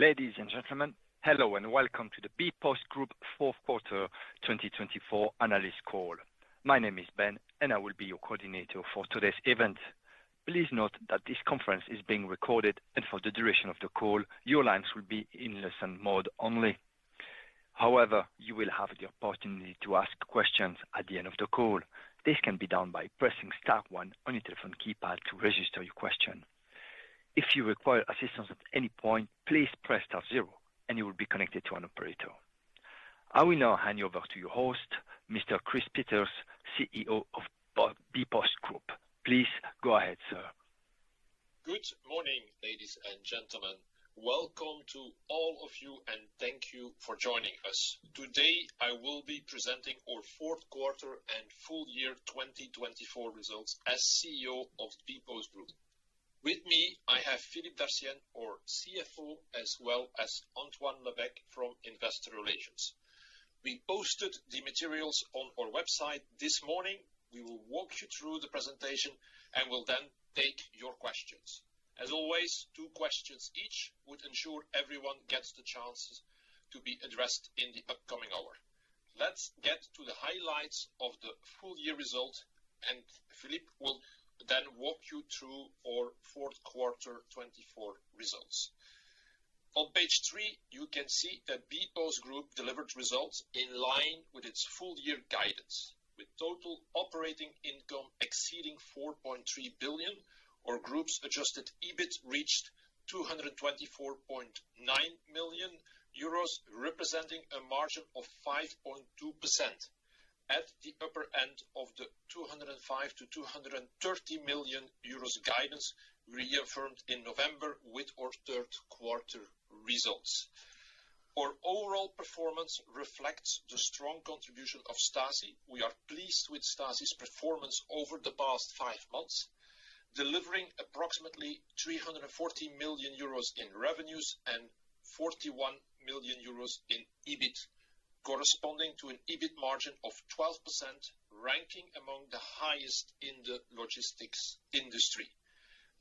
Ladies and gentlemen, hello and welcome to the bpostgroup fourth quarter 2024 analyst call. My name is Ben, and I will be your coordinator for today's event. Please note that this conference is being recorded, and for the duration of the call, your lines will be in listen mode only. However, you will have the opportunity to ask questions at the end of the call. This can be done by pressing star one on your telephone keypad to register your question. If you require assistance at any point, please press star zero and you will be connected to an operator. I will now hand you over to your host, Mr. Chris Peeters, CEO of bpostgroup. Please go ahead, sir. Good morning, ladies and gentlemen. Welcome to all of you, and thank you for joining us. Today, I will be presenting our fourth quarter and full year 2024 results as CEO of bpostgroup. With me, I have Philippe Dartienne, our CFO, as well as Antoine Lebecq from Investor Relations. We posted the materials on our website this morning. We will walk you through the presentation and will then take your questions. As always, two questions each would ensure everyone gets the chance to be addressed in the upcoming hour. Let's get to the highlights of the full-year result, and Philippe will then walk you through our fourth quarter 2024 results. On page three, you can see a bpostgroup Group delivered result in line with its full-year guidance, with total operating income exceeding 4.3 billion. Our group's Adjusted EBIT reached 224.9 million euros, representing a margin of 5.2% at the upper end of the 205-230 million euros guidance reaffirmed in November with our third quarter results. Our overall performance reflects the strong contribution of Staci. We are pleased with Staci's performance over the past five months, delivering approximately 340 million euros in revenues and 41 million euros in EBIT, corresponding to an EBIT margin of 12%, ranking among the highest in the logistics industry.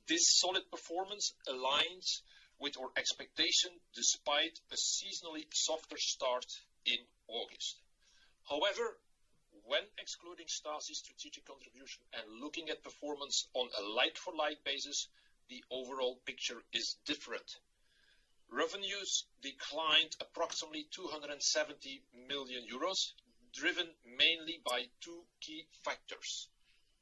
This solid performance aligns with our expectation despite a seasonally softer start in August. However, when excluding Staci's strategic contribution and looking at performance on a like-for-like basis, the overall picture is different. Revenues declined approximately 270 million euros, driven mainly by two key factors: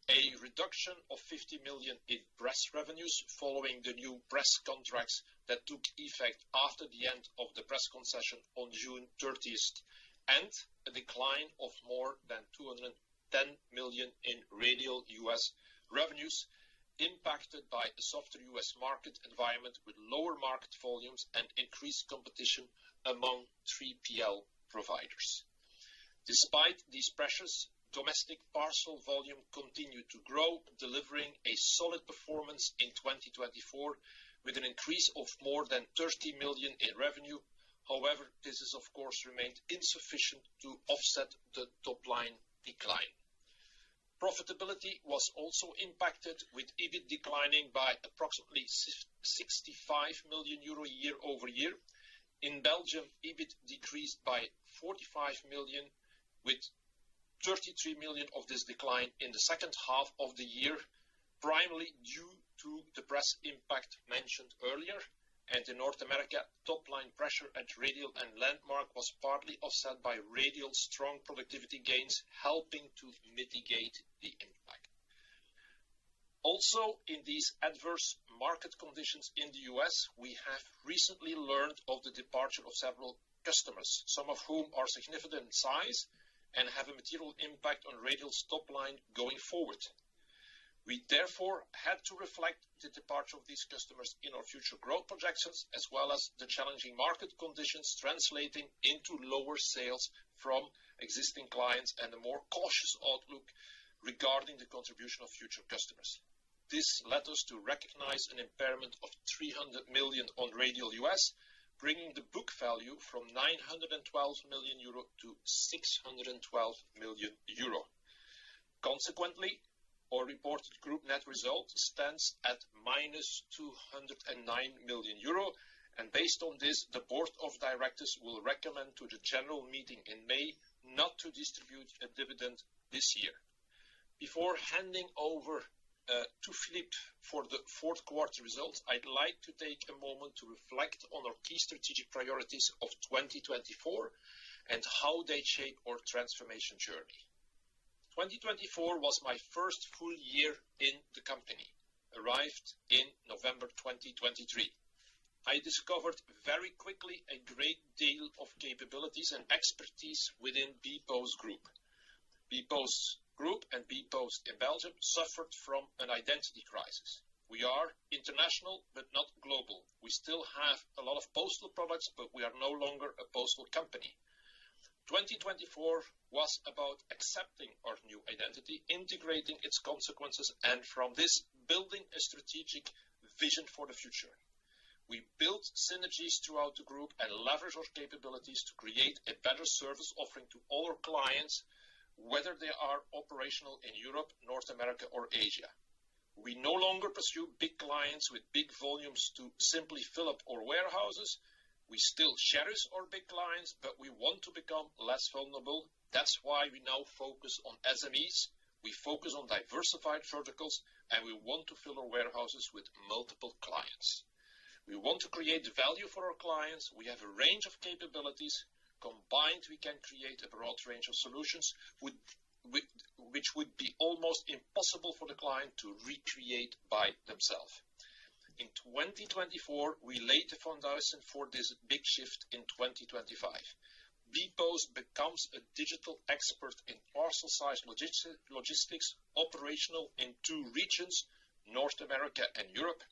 a reduction of 50 million in press revenues following the new press contracts that took effect after the end of the press concession on June 30th, and a decline of more than 210 million in Radial US revenues impacted by a softer US market environment with lower market volumes and increased competition among 3PL providers. Despite these pressures, domestic parcel volume continued to grow, delivering a solid performance in 2024 with an increase of more than 30 million in revenue. However, this has, of course, remained insufficient to offset the top-line decline. Profitability was also impacted, with EBIT declining by approximately 65 million euro year over year. In Belgium, EBIT decreased by 45 million, with 33 million of this decline in the second half of the year, primarily due to the press impact mentioned earlier. The North America top-line pressure at Radial and Landmark was partly offset by Radial's strong productivity gains, helping to mitigate the impact. Also, in these adverse market conditions in the U.S., we have recently learned of the departure of several customers, some of whom are significant in size and have a material impact on Radial's top-line going forward. We, therefore, had to reflect the departure of these customers in our future growth projections, as well as the challenging market conditions translating into lower sales from existing clients and a more cautious outlook regarding the contribution of future customers. This led us to recognize an impairment of 300 million on Radial U.S., bringing the book value from 912 million-612 million euro. Consequently, our reported group net result stands at -209 million euro. Based on this, the board of directors will recommend to the general meeting in May not to distribute a dividend this year. Before handing over to Philippe for the fourth quarter results, I'd like to take a moment to reflect on our key strategic priorities of 2024 and how they shape our transformation journey. 2024 was my first full year in the company, arrived in November 2023. I discovered very quickly a great deal of capabilities and expertise within bpostgroup Group. bpostgroup Group and bpostgroup in Belgium suffered from an identity crisis. We are international, but not global. We still have a lot of postal products, but we are no longer a postal company. 2024 was about accepting our new identity, integrating its consequences, and from this, building a strategic vision for the future. We built synergies throughout the group and leveraged our capabilities to create a better service offering to all our clients, whether they are operational in Europe, North America, or Asia. We no longer pursue big clients with big volumes to simply fill up our warehouses. We still cherish our big clients, but we want to become less vulnerable. That is why we now focus on SMEs. We focus on diversified verticals, and we want to fill our warehouses with multiple clients. We want to create value for our clients. We have a range of capabilities. Combined, we can create a broad range of solutions, which would be almost impossible for the client to recreate by themselves. In 2024, we laid the foundation for this big shift in 2025. bpost becomes a digital expert in parcel-sized logistics, operational in two regions, North America and Europe.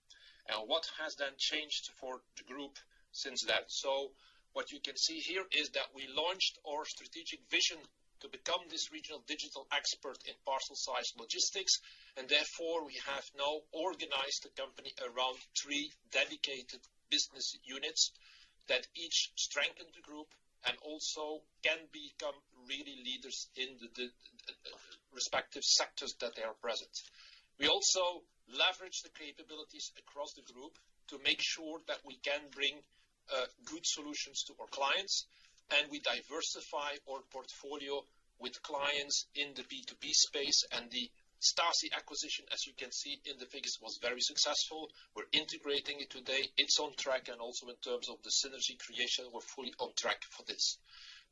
What has then changed for the group since then? You can see here that we launched our strategic vision to become this regional digital expert in parcel-sized logistics. Therefore, we have now organized the company around three dedicated business units that each strengthen the group and also can become really leaders in the respective sectors that they are present. We also leverage the capabilities across the group to make sure that we can bring good solutions to our clients. We diversify our portfolio with clients in the B2B space. The Staci acquisition, as you can see in the figures, was very successful. We are integrating it today. It is on track. In terms of the synergy creation, we are fully on track for this.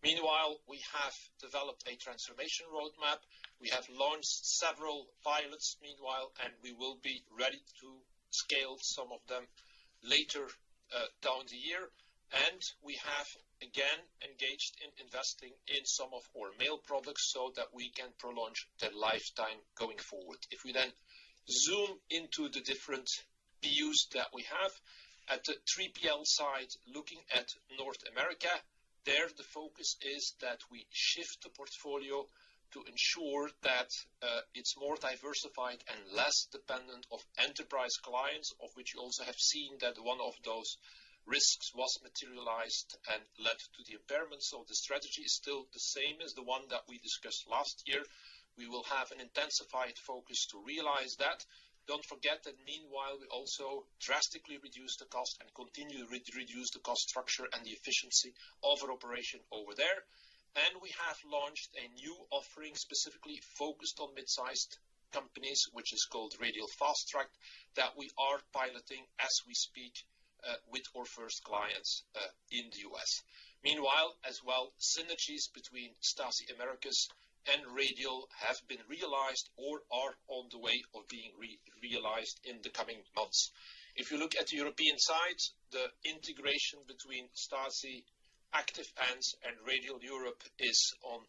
Meanwhile, we have developed a transformation roadmap. We have launched several pilots meanwhile, and we will be ready to scale some of them later down the year. We have, again, engaged in investing in some of our mail products so that we can prelaunch the lifetime going forward. If we then zoom into the different views that we have at the 3PL side, looking at North America, there the focus is that we shift the portfolio to ensure that it's more diversified and less dependent on enterprise clients, of which you also have seen that one of those risks was materialized and led to the impairment. The strategy is still the same as the one that we discussed last year. We will have an intensified focus to realize that. Don't forget that meanwhile, we also drastically reduced the cost and continue to reduce the cost structure and the efficiency of our operation over there. We have launched a new offering specifically focused on mid-sized companies, which is called Radial Fast Track, that we are piloting as we speak with our first clients in the U.S. Meanwhile, as well, synergies between Staci Americas and Radial have been realized or are on the way of being realized in the coming months. If you look at the European side, the integration between Staci, Active Ants, and Radial Europe is on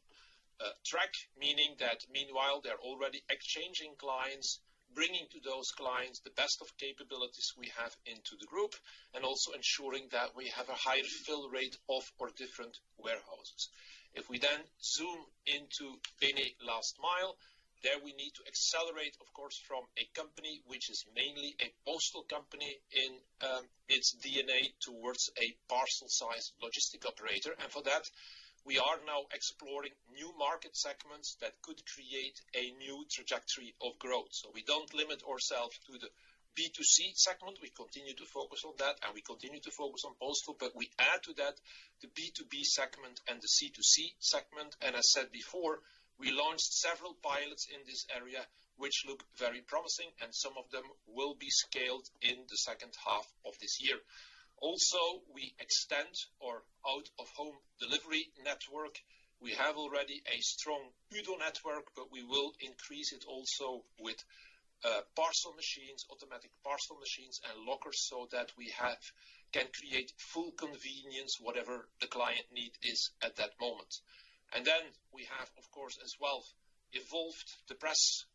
track, meaning that meanwhile, they're already exchanging clients, bringing to those clients the best of capabilities we have into the group, and also ensuring that we have a higher fill rate of our different warehouses. If we then zoom into any last mile, there we need to accelerate, of course, from a company which is mainly a postal company in its DNA towards a parcel-sized logistic operator. We are now exploring new market segments that could create a new trajectory of growth. We do not limit ourselves to the B2C segment. We continue to focus on that, and we continue to focus on postal. We add to that the B2B segment and the C2C segment. As I said before, we launched several pilots in this area, which look very promising, and some of them will be scaled in the second half of this year. Also, we extend our out-of-home delivery network. We already have a strong UDO network, but we will increase it also with parcel machines, automatic parcel machines, and lockers so that we can create full convenience, whatever the client need is at that moment. We have, of course, as well, evolved the press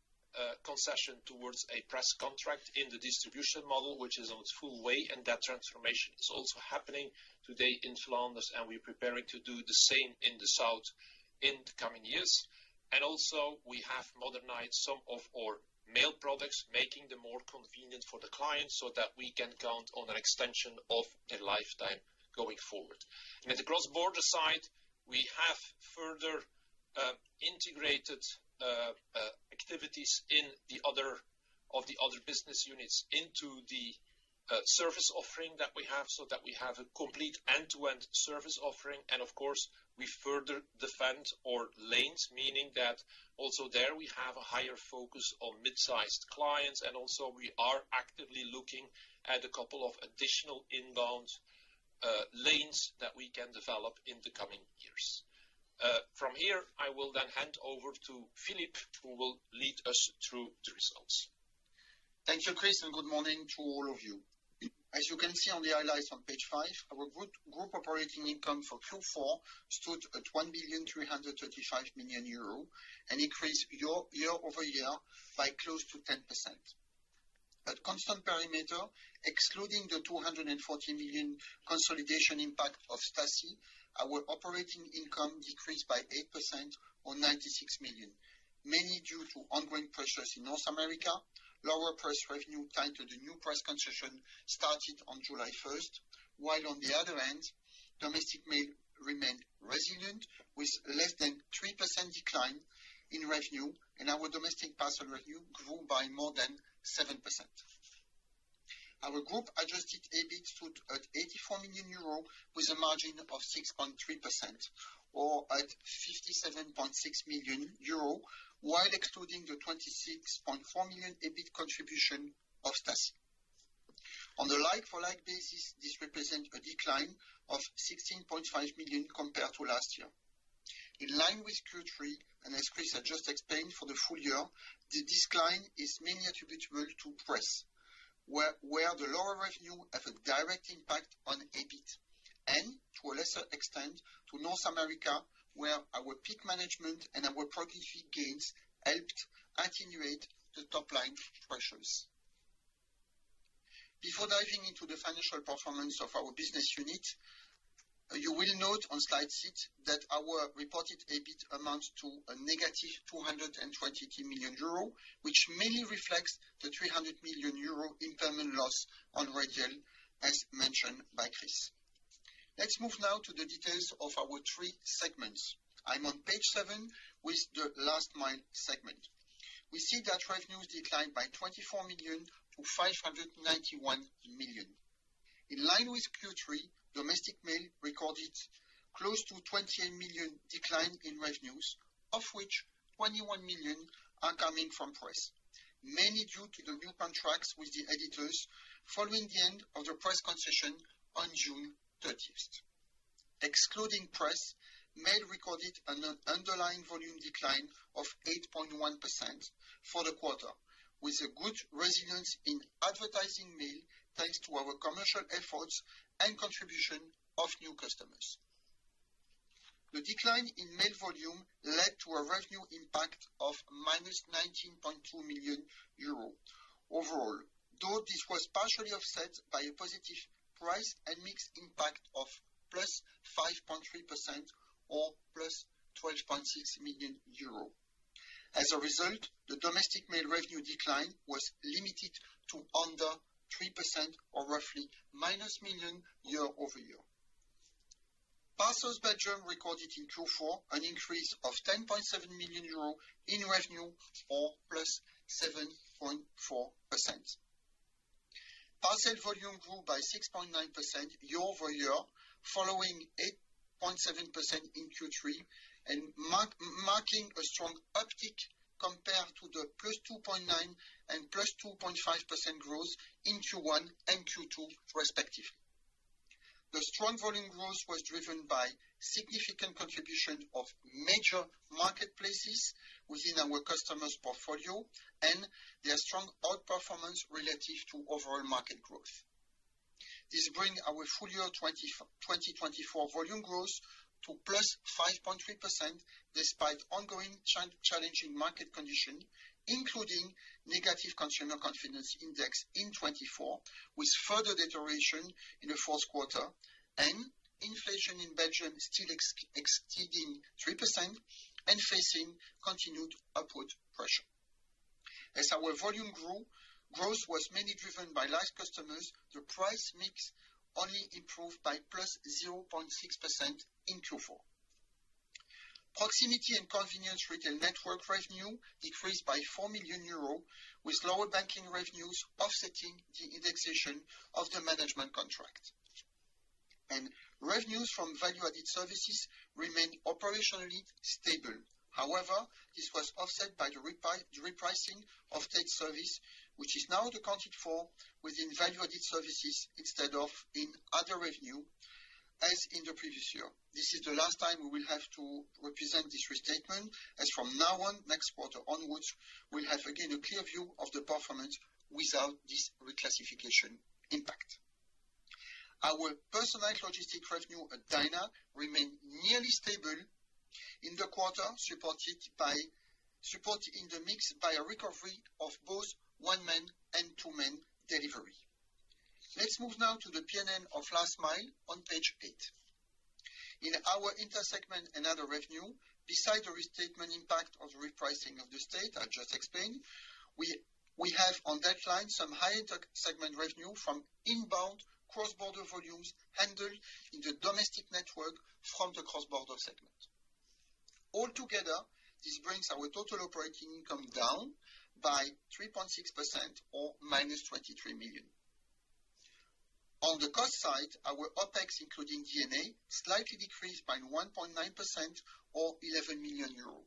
concession towards a press contract in the distribution model, which is on its full way. That transformation is also happening today in Flanders, and we're preparing to do the same in the south in the coming years. We have also modernized some of our mail products, making them more convenient for the clients so that we can count on an extension of a lifetime going forward. At the cross-border side, we have further integrated activities in the other business units into the service offering that we have so that we have a complete end-to-end service offering. We further defend our lanes, meaning that also there we have a higher focus on mid-sized clients. Also, we are actively looking at a couple of additional inbound lanes that we can develop in the coming years. From here, I will then hand over to Philippe, who will lead us through the results. Thank you, Chris, and good morning to all of you. As you can see on the highlights on page five, our group operating income for Q4 stood at 1,335 million euro and increased year over year by close to 10%. At constant perimeter, excluding the 240 million consolidation impact of Staci, our operating income decreased by 8% or 96 million, mainly due to ongoing pressures in North America, lower press revenue tied to the new press concession started on July 1, 2023, while on the other end, domestic mail remained resilient with less than 3% decline in revenue, and our domestic parcel revenue grew by more than 7%. Our group Adjusted EBIT stood at 84 million euros with a margin of 6.3% or at 57.6 million euros, while excluding the 26.4 million EBIT contribution of Staci. On a like-for-like basis, this represents a decline of 16.5 million compared to last year. In line with Q3, and as Chris had just explained, for the full year, the decline is mainly attributable to press, where the lower revenue had a direct impact on EBIT, and to a lesser extent, to North America, where our peak management and our productivity gains helped attenuate the top-line pressures. Before diving into the financial performance of our business unit, you will note on slide six that our reported EBIT amounts to a negative 220 million euro, which mainly reflects the 300 million euro impairment loss on Radial, as mentioned by Chris. Let's move now to the details of our three segments. I'm on page seven with the last-mile segment. We see that revenues declined by 24 million-591 million. In line with Q3, domestic mail recorded close to 28 million decline in revenues, of which 21 million are coming from press, mainly due to the new contracts with the editors following the end of the press concession on June 30th. Excluding press, mail recorded an underlying volume decline of 8.1% for the quarter, with a good resilience in advertising mail thanks to our commercial efforts and contribution of new customers. The decline in mail volume led to a revenue impact of -19.2 million euro overall, though this was partially offset by a positive price and mixed impact of +5.3% or +12.6 million euro. As a result, the domestic mail revenue decline was limited to under 3% or roughly minus EUR 15 million year-over-year. Parcels Belgium recorded in Q4 an increase of 10.7 million euro in revenue or +7.4%. Parcel volume grew by 6.9% year over year, following 8.7% in Q3 and marking a strong uptick compared to the +2.9% and +2.5% growth in Q1 and Q2, respectively. The strong volume growth was driven by significant contribution of major marketplaces within our customers' portfolio and their strong outperformance relative to overall market growth. This brings our full year 2024 volume growth to +5.3% despite ongoing challenging market conditions, including negative consumer confidence index in 2024, with further deterioration in the fourth quarter and inflation in Belgium still exceeding 3% and facing continued upward pressure. As our volume growth was mainly driven by live customers, the price mix only improved by +0.6% in Q4. Proximity and convenience retail network revenue decreased by 4 million euros, with lower banking revenues offsetting the indexation of the management contract. Revenues from value-added services remained operationally stable. However, this was offset by the repricing of state service, which is now accounted for within value-added services instead of in other revenue, as in the previous year. This is the last time we will have to represent this restatement, as from now on, next quarter onwards, we'll have again a clear view of the performance without this reclassification impact. Our personnel-logistic revenue at Dyna remained nearly stable in the quarter, supported in the mix by a recovery of both one-man and two-man delivery. Let's move now to the P&L of last mile on page eight. In our intersegment and other revenue, besides the restatement impact of the repricing of the state I just explained, we have on that line some high-end segment revenue from inbound cross-border volumes handled in the domestic network from the cross-border segment. Altogether, this brings our total operating income down by 3.6% or 23 million. On the cost side, our OpEx, including DNA, slightly decreased by 1.9% or 11 million euros,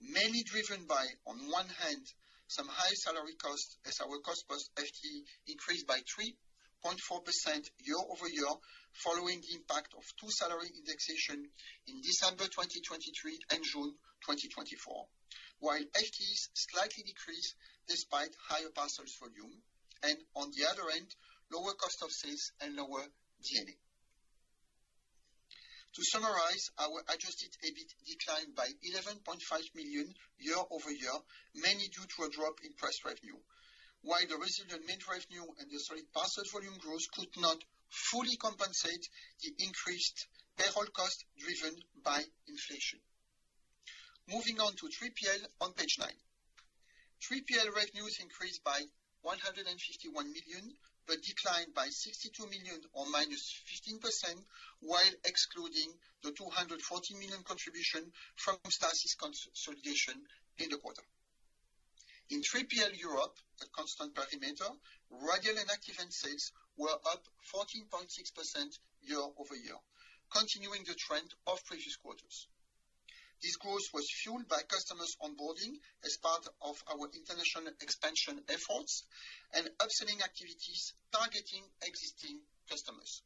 mainly driven by, on one hand, some high salary costs, as our cost-plus FTE increased by 3.4% year-over-year, following the impact of two salary indexation in December 2023 and June 2024, while FTEs slightly decreased despite higher parcels volume. On the other end, lower cost of sales and lower DNA. To summarize, our Adjusted EBIT declined by 11.5 million year over year, mainly due to a drop in press revenue, while the resilient mid-revenue and the solid parcels volume growth could not fully compensate the increased payroll cost driven by inflation. Moving on to 3PL on page nine. 3PL revenues increased by 151 million but declined by 62 million or -15%, while excluding the 240 million contribution from Staci's consolidation in the quarter. In 3PL Europe, at constant perimeter, Radial and Active Ants sales were up 14.6% year-over-year, continuing the trend of previous quarters. This growth was fueled by customers onboarding as part of our international expansion efforts and upselling activities targeting existing customers.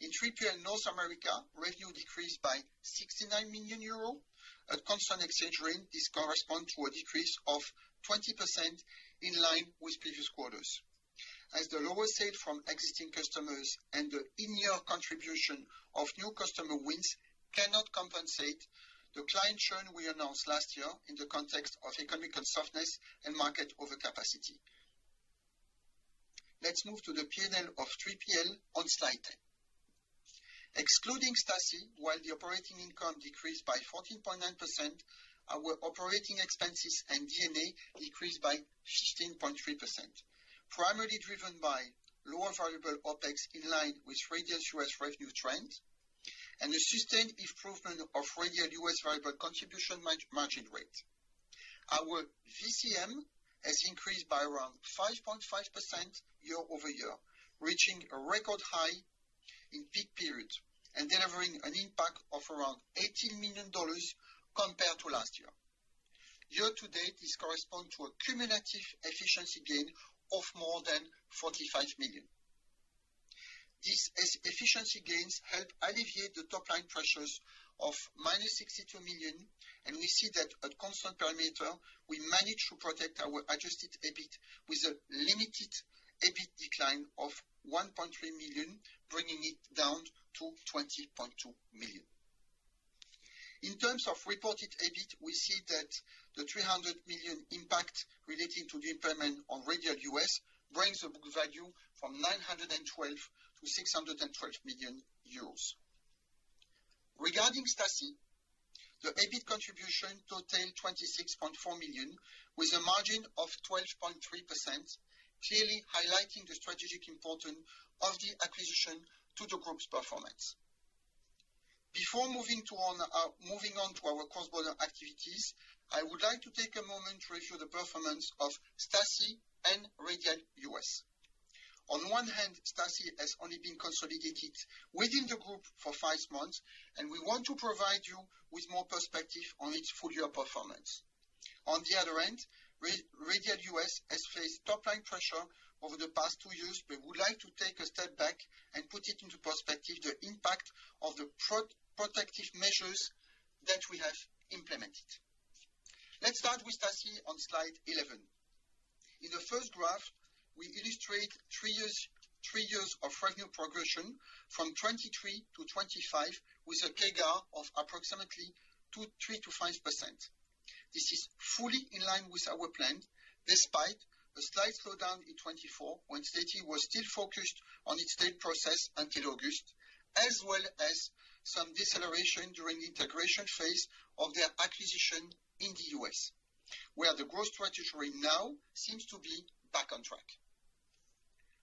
In 3PL North America, revenue decreased by 69 million euros. At constant exchange rate, this corresponds to a decrease of 20% in line with previous quarters, as the lower sale from existing customers and the in-year contribution of new customer wins cannot compensate the client churn we announced last year in the context of economic unsoftness and market overcapacity. Let's move to the P&L of 3PL on Slide 10. Excluding Staci, while the operating income decreased by 14.9%, our operating expenses and D&A decreased by 15.3%, primarily driven by lower variable OpEx in line with Radial U.S. revenue trend and a sustained improvement of Radial U.S. variable contribution margin rate. Our VCM has increased by around 5.5% year-over-year, reaching a record high in peak periods and delivering an impact of around $18 million compared to last year. Year to date, this corresponds to a cumulative efficiency gain of more than 45 million. These efficiency gains help alleviate the top-line pressures of -62 million, and we see that at constant perimeter, we managed to protect our Adjusted EBIT with a limited EBIT decline of 1.3 million, bringing it down to 20.2 million. In terms of reported EBIT, we see that the 300 million impact relating to the impairment on Radial U.S. brings the book value from 912 million to 612 million euros. Regarding Staci, the EBIT contribution totaled 26.4 million with a margin of 12.3%, clearly highlighting the strategic importance of the acquisition to the group's performance. Before moving on to our cross-border activities, I would like to take a moment to review the performance of Staci and Radial U.S. On one hand, Staci has only been consolidated within the group for five months, and we want to provide you with more perspective on its full-year performance. On the other end, Radial U.S. has faced top-line pressure over the past two years, but we would like to take a step back and put it into perspective, the impact of the protective measures that we have implemented. Let's start with Staci on Slide 11. In the first graph, we illustrate three years of revenue progression from 2023 to 2025, with a CAGR of approximately 3%-5%. This is fully in line with our plan, despite a slight slowdown in 2024 when Staci was still focused on its state process until August, as well as some deceleration during the integration phase of their acquisition in the U.S., where the growth strategy rate now seems to be back on track.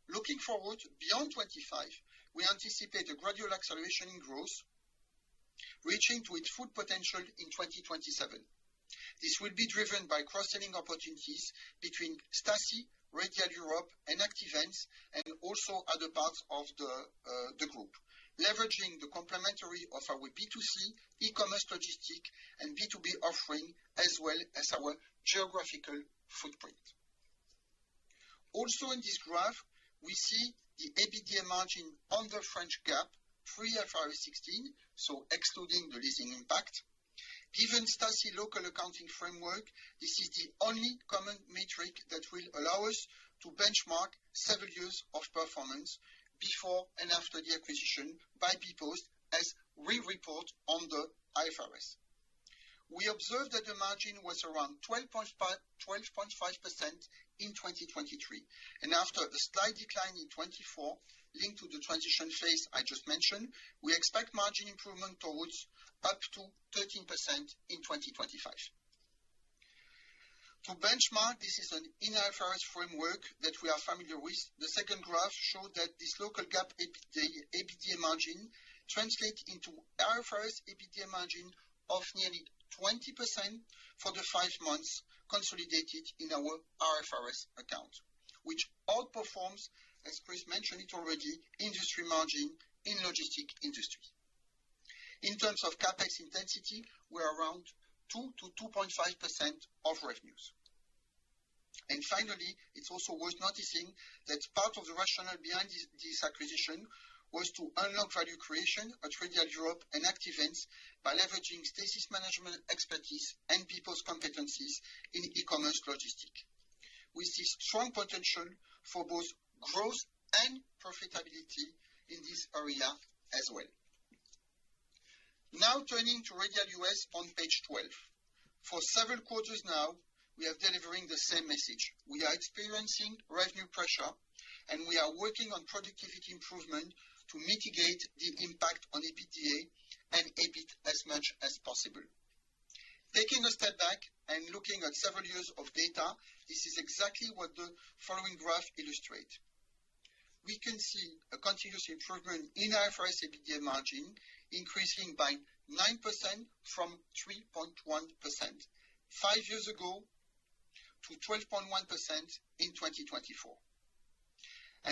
Looking forward beyond 2025, we anticipate a gradual acceleration in growth, reaching to its full potential in 2027. This will be driven by cross-selling opportunities between Staci, Radial Europe, and Active Ants, and also other parts of the group, leveraging the complementarity of our B2C, e-commerce logistics, and B2B offering, as well as our geographical footprint. Also, in this graph, we see the EBITDA margin on the French GAAP, 3 IFRS 16, so excluding the leasing impact. Given Staci's local accounting framework, this is the only common metric that will allow us to benchmark several years of performance before and after the acquisition by bpostgroup, as we report on the IFRS. We observed that the margin was around 12.5% in 2023, and after a slight decline in 2024, linked to the transition phase I just mentioned, we expect margin improvement towards up to 13% in 2025. To benchmark, this is an in-IFRS framework that we are familiar with. The second graph shows that this local gap EBITDA margin translates into IFRS EBITDA margin of nearly 20% for the five months consolidated in our IFRS account, which outperforms, as Chris mentioned it already, industry margin in logistic industries. In terms of CapEx intensity, we're around 2%-2.5% of revenues. Finally, it's also worth noticing that part of the rationale behind this acquisition was to unlock value creation at Radial Europe and Active Ants by leveraging Staci's management expertise and bpostgroup competencies in e-commerce logistics, with this strong potential for both growth and profitability in this area as well. Now turning to Radial U.S. on page 12. For several quarters now, we are delivering the same message. We are experiencing revenue pressure, and we are working on productivity improvement to mitigate the impact on EBITDA and EBIT as much as possible. Taking a step back and looking at several years of data, this is exactly what the following graph illustrates. We can see a continuous improvement in IFRS EBITDA margin, increasing by 9% from 3.1% five years ago to 12.1% in 2024.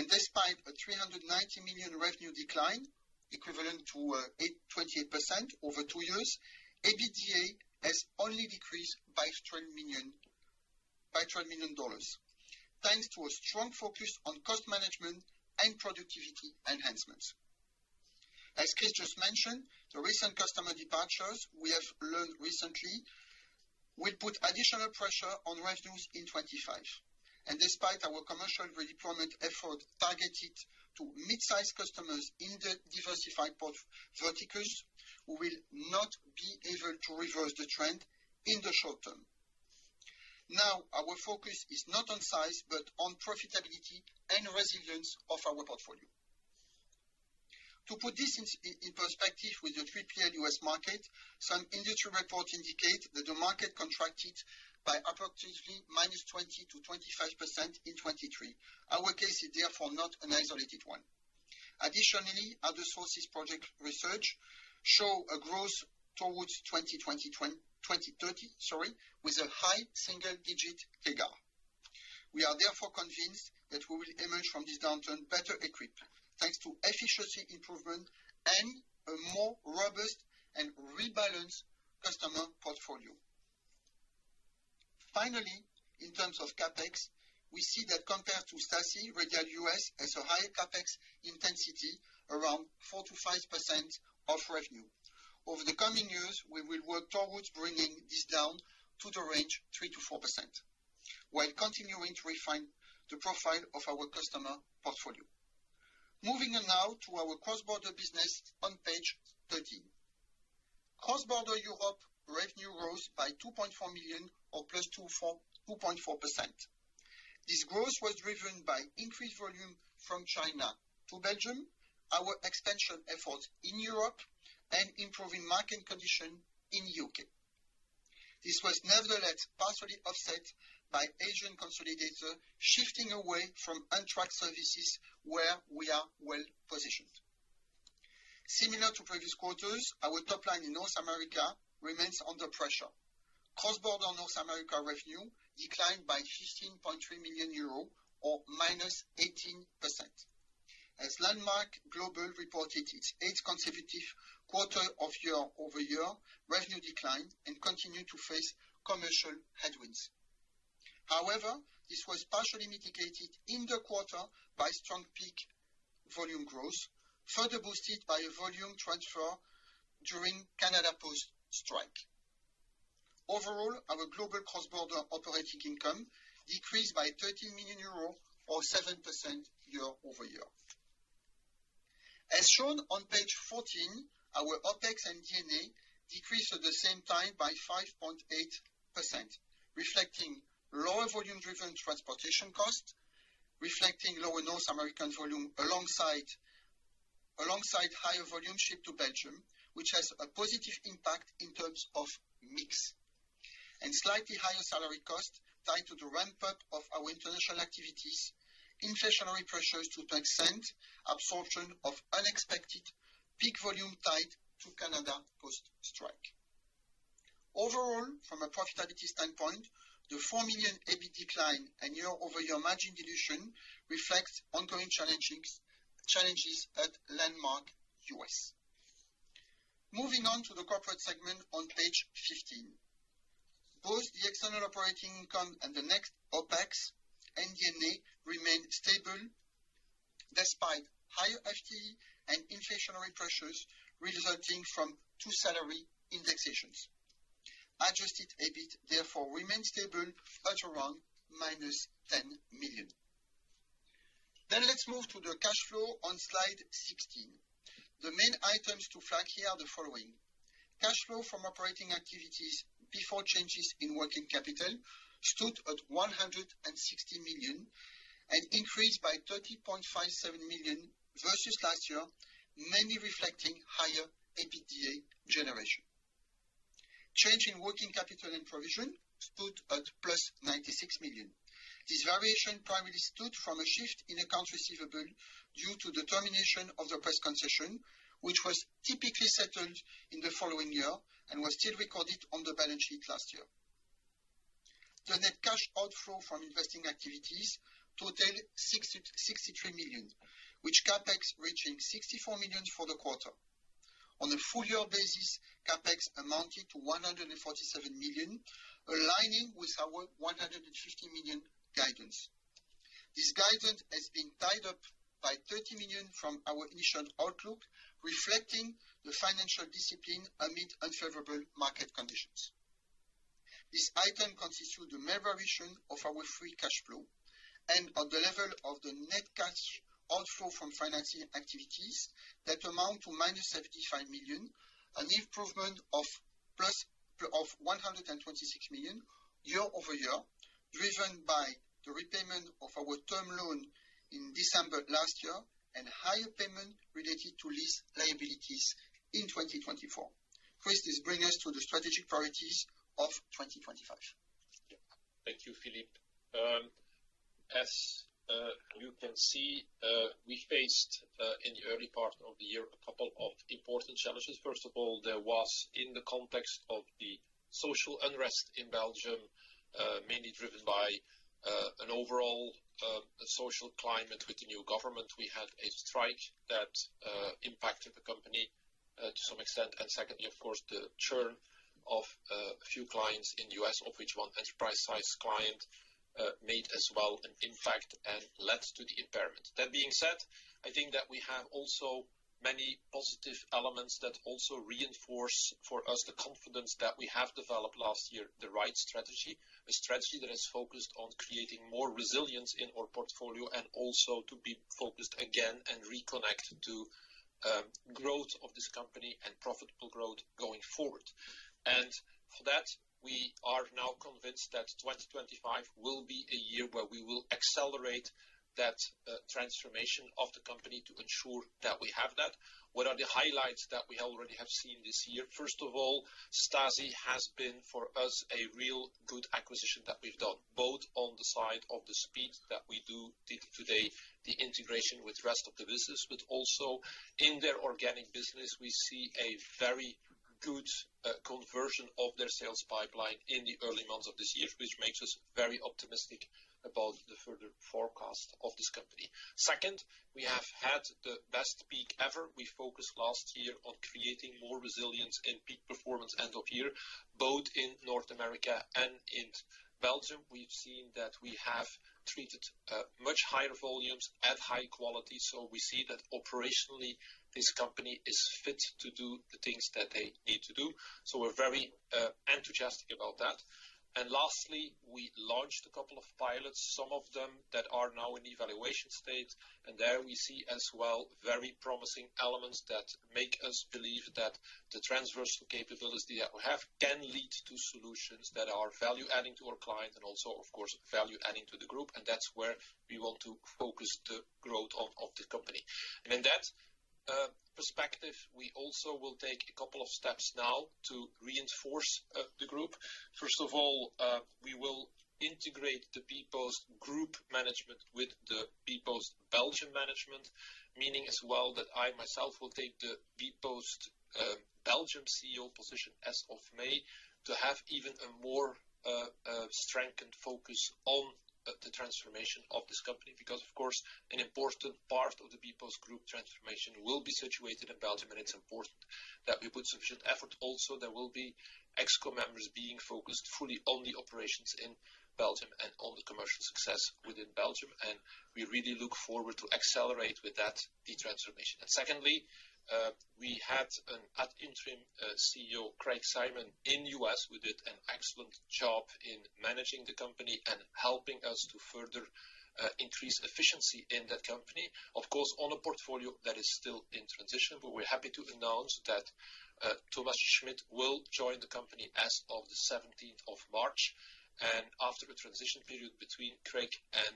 Despite a 390 million revenue decline equivalent to 28% over two years, EBITDA has only decreased by $12 million thanks to a strong focus on cost management and productivity enhancements. As Chris just mentioned, the recent customer departures we have learned recently will put additional pressure on revenues in 2025. Despite our commercial redeployment effort targeted to mid-size customers in the diversified verticals, we will not be able to reverse the trend in the short term. Now, our focus is not on size, but on profitability and resilience of our portfolio. To put this in perspective with the 3PL U.S. market, some industry reports indicate that the market contracted by approximately -20% to 25% in 2023. Our case is therefore not an isolated one. Additionally, other sources' project research shows a growth towards 2030, sorry, with a high single-digit KGAR. We are therefore convinced that we will emerge from this downturn better equipped, thanks to efficiency improvement and a more robust and rebalanced customer portfolio. Finally, in terms of CapEx, we see that compared to Staci, Radial U.S. has a higher CapEx intensity, around 4%-5% of revenue. Over the coming years, we will work towards bringing this down to the range of 3%-4%, while continuing to refine the profile of our customer portfolio. Moving now to our cross-border business on page 13. Cross-border Europe revenue rose by 2.4 million or +2.4%. This growth was driven by increased volume from China to Belgium, our expansion efforts in Europe, and improving market conditions in the U.K. This was nevertheless partially offset by Asian consolidators shifting away from untracked services, where we are well-positioned. Similar to previous quarters, our top line in North America remains under pressure. Cross-border North America revenue declined by 15.3 million euro or -18%. As Landmark Global reported its eighth consecutive quarter of year-over-year revenue decline and continued to face commercial headwinds. However, this was partially mitigated in the quarter by strong peak volume growth, further boosted by a volume transfer during the Canada Post strike. Overall, our global cross-border operating income decreased by 13 million euros or 7% year-over-year. As shown on page 14, our OpEx and DNA decreased at the same time by 5.8%, reflecting lower volume-driven transportation costs, reflecting lower North American volume alongside higher volume shipped to Belgium, which has a positive impact in terms of mix and slightly higher salary costs tied to the ramp-up of our international activities, inflationary pressures to the extent absorption of unexpected peak volume tied to Canada Post strike. Overall, from a profitability standpoint, the 4 million EBIT decline and year-over-year margin dilution reflect ongoing challenges at Landmark Global U.S. Moving on to the corporate segment on page 15. Both the external operating income and the net OpEx and DNA remain stable despite higher FTE and inflationary pressures resulting from two salary indexations. Adjusted EBIT, therefore, remains stable at around -10 million. Let's move to the cash flow on Slide 16. The main items to flag here are the following. Cash flow from operating activities before changes in working capital stood at 160 million and increased by 30.57 million versus last year, mainly reflecting higher EBITDA generation. Change in working capital and provision stood at +96 million. This variation primarily stood from a shift in accounts receivable due to the termination of the press concession, which was typically settled in the following year and was still recorded on the balance sheet last year. The net cash outflow from investing activities totaled 63 million, with CapEx reaching 64 million for the quarter. On a full-year basis, CapEx amounted to 147 million, aligning with our 150 million guidance. This guidance has been tied up by 30 million from our initial outlook, reflecting the financial discipline amid unfavorable market conditions. This item constitutes the mere variation of our free cash flow and, on the level of the net cash outflow from financing activities, that amounts to -75 million, an improvement of +126 million year-over-year, driven by the repayment of our term loan in December last year and higher payment related to lease liabilities in 2024. Chris, this brings us to the strategic priorities of 2025. Thank you, Philippe. As you can see, we faced in the early part of the year a couple of important challenges. First of all, there was, in the context of the social unrest in Belgium, mainly driven by an overall social climate with the new government, we had a strike that impacted the company to some extent. Secondly, of course, the churn of a few clients in the U.S., of which one enterprise-sized client made as well an impact and led to the impairment. That being said, I think that we have also many positive elements that also reinforce for us the confidence that we have developed last year, the right strategy, a strategy that is focused on creating more resilience in our portfolio and also to be focused again and reconnect to growth of this company and profitable growth going forward. For that, we are now convinced that 2025 will be a year where we will accelerate that transformation of the company to ensure that we have that. What are the highlights that we already have seen this year? First of all, Staci has been, for us, a real good acquisition that we've done, both on the side of the speed that we do today, the integration with the rest of the business, but also in their organic business, we see a very good conversion of their sales pipeline in the early months of this year, which makes us very optimistic about the further forecast of this company. Second, we have had the best peak ever. We focused last year on creating more resilience and peak performance end of year, both in North America and in Belgium. We've seen that we have treated much higher volumes at high quality. We see that operationally, this company is fit to do the things that they need to do. We are very enthusiastic about that. Lastly, we launched a couple of pilots, some of them that are now in evaluation state. There we see as well very promising elements that make us believe that the transversal capability that we have can lead to solutions that are value-adding to our client and also, of course, value-adding to the group. That is where we want to focus the growth of the company. In that perspective, we also will take a couple of steps now to reinforce the group. First of all, we will integrate the bpostgroup Management with the bpostgroup Belgium Management, meaning as well that I myself will take the bpostgroup Belgium CEO position as of May to have even a more strengthened focus on the transformation of this company because, of course, an important part of the bpostgroup transformation will be situated in Belgium, and it's important that we put sufficient effort. Also, there will be exco members being focused fully on the operations in Belgium and on the commercial success within Belgium. We really look forward to accelerate with that, the transformation. Secondly, we had an ad interim CEO, Craig Simon, in the U.S., who did an excellent job in managing the company and helping us to further increase efficiency in that company. Of course, on a portfolio that is still in transition, but we're happy to announce that Thomas Schmidt will join the company as of the 17th of March. After a transition period between Craig and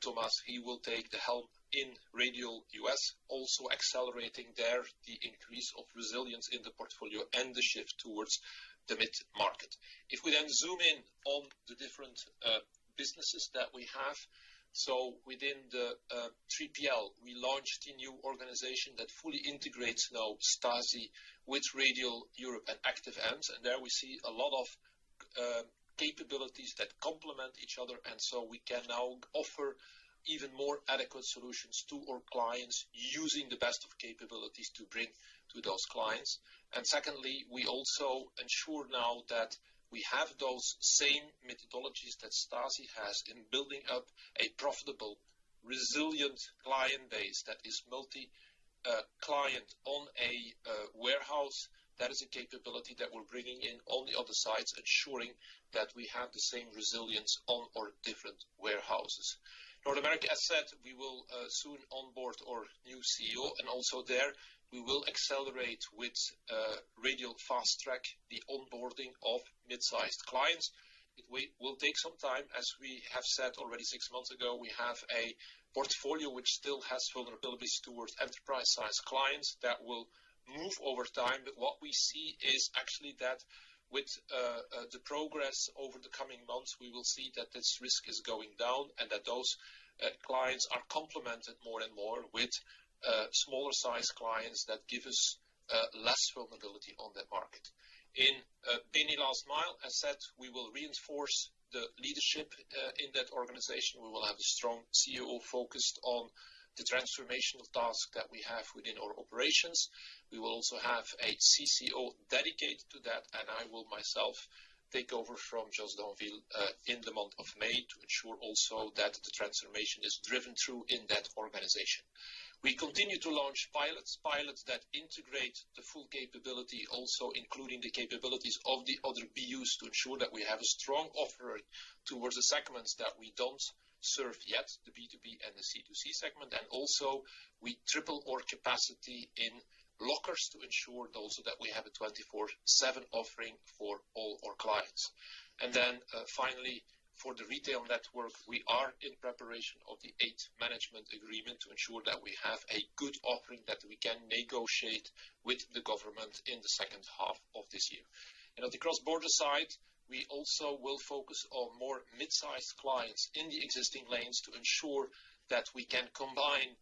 Thomas, he will take the helm in Radial US, also accelerating there the increase of resilience in the portfolio and the shift towards the mid-market. If we then zoom in on the different businesses that we have, within the 3PL, we launched a new organization that fully integrates now Staci with Radial Europe and Active Ants. There we see a lot of capabilities that complement each other. We can now offer even more adequate solutions to our clients using the best of capabilities to bring to those clients. Secondly, we also ensure now that we have those same methodologies that Staci has in building up a profitable, resilient client base that is multi-client on a warehouse. That is a capability that we're bringing in on the other sides, ensuring that we have the same resilience on our different warehouses. North America, as said, we will soon onboard our new CEO. Also there, we will accelerate with Radial Fast Track the onboarding of mid-sized clients. It will take some time. As we have said already six months ago, we have a portfolio which still has vulnerabilities towards enterprise-sized clients that will move over time. What we see is actually that with the progress over the coming months, we will see that this risk is going down and that those clients are complemented more and more with smaller-sized clients that give us less vulnerability on that market. In bpostgroup Last Mile, as said, we will reinforce the leadership in that organization. We will have a strong CEO focused on the transformational task that we have within our operations. We will also have a CCO dedicated to that, and I will myself take over from Joss Danville in the month of May to ensure also that the transformation is driven through in that organization. We continue to launch pilots, pilots that integrate the full capability, also including the capabilities of the other BUs to ensure that we have a strong offering towards the segments that we do not serve yet, the B2B and the C2C segment. We triple our capacity in lockers to ensure also that we have a 24/7 offering for all our clients. Finally, for the retail network, we are in preparation of the eighth management agreement to ensure that we have a good offering that we can negotiate with the government in the second half of this year. On the cross-border side, we also will focus on more mid-sized clients in the existing lanes to ensure that we can combine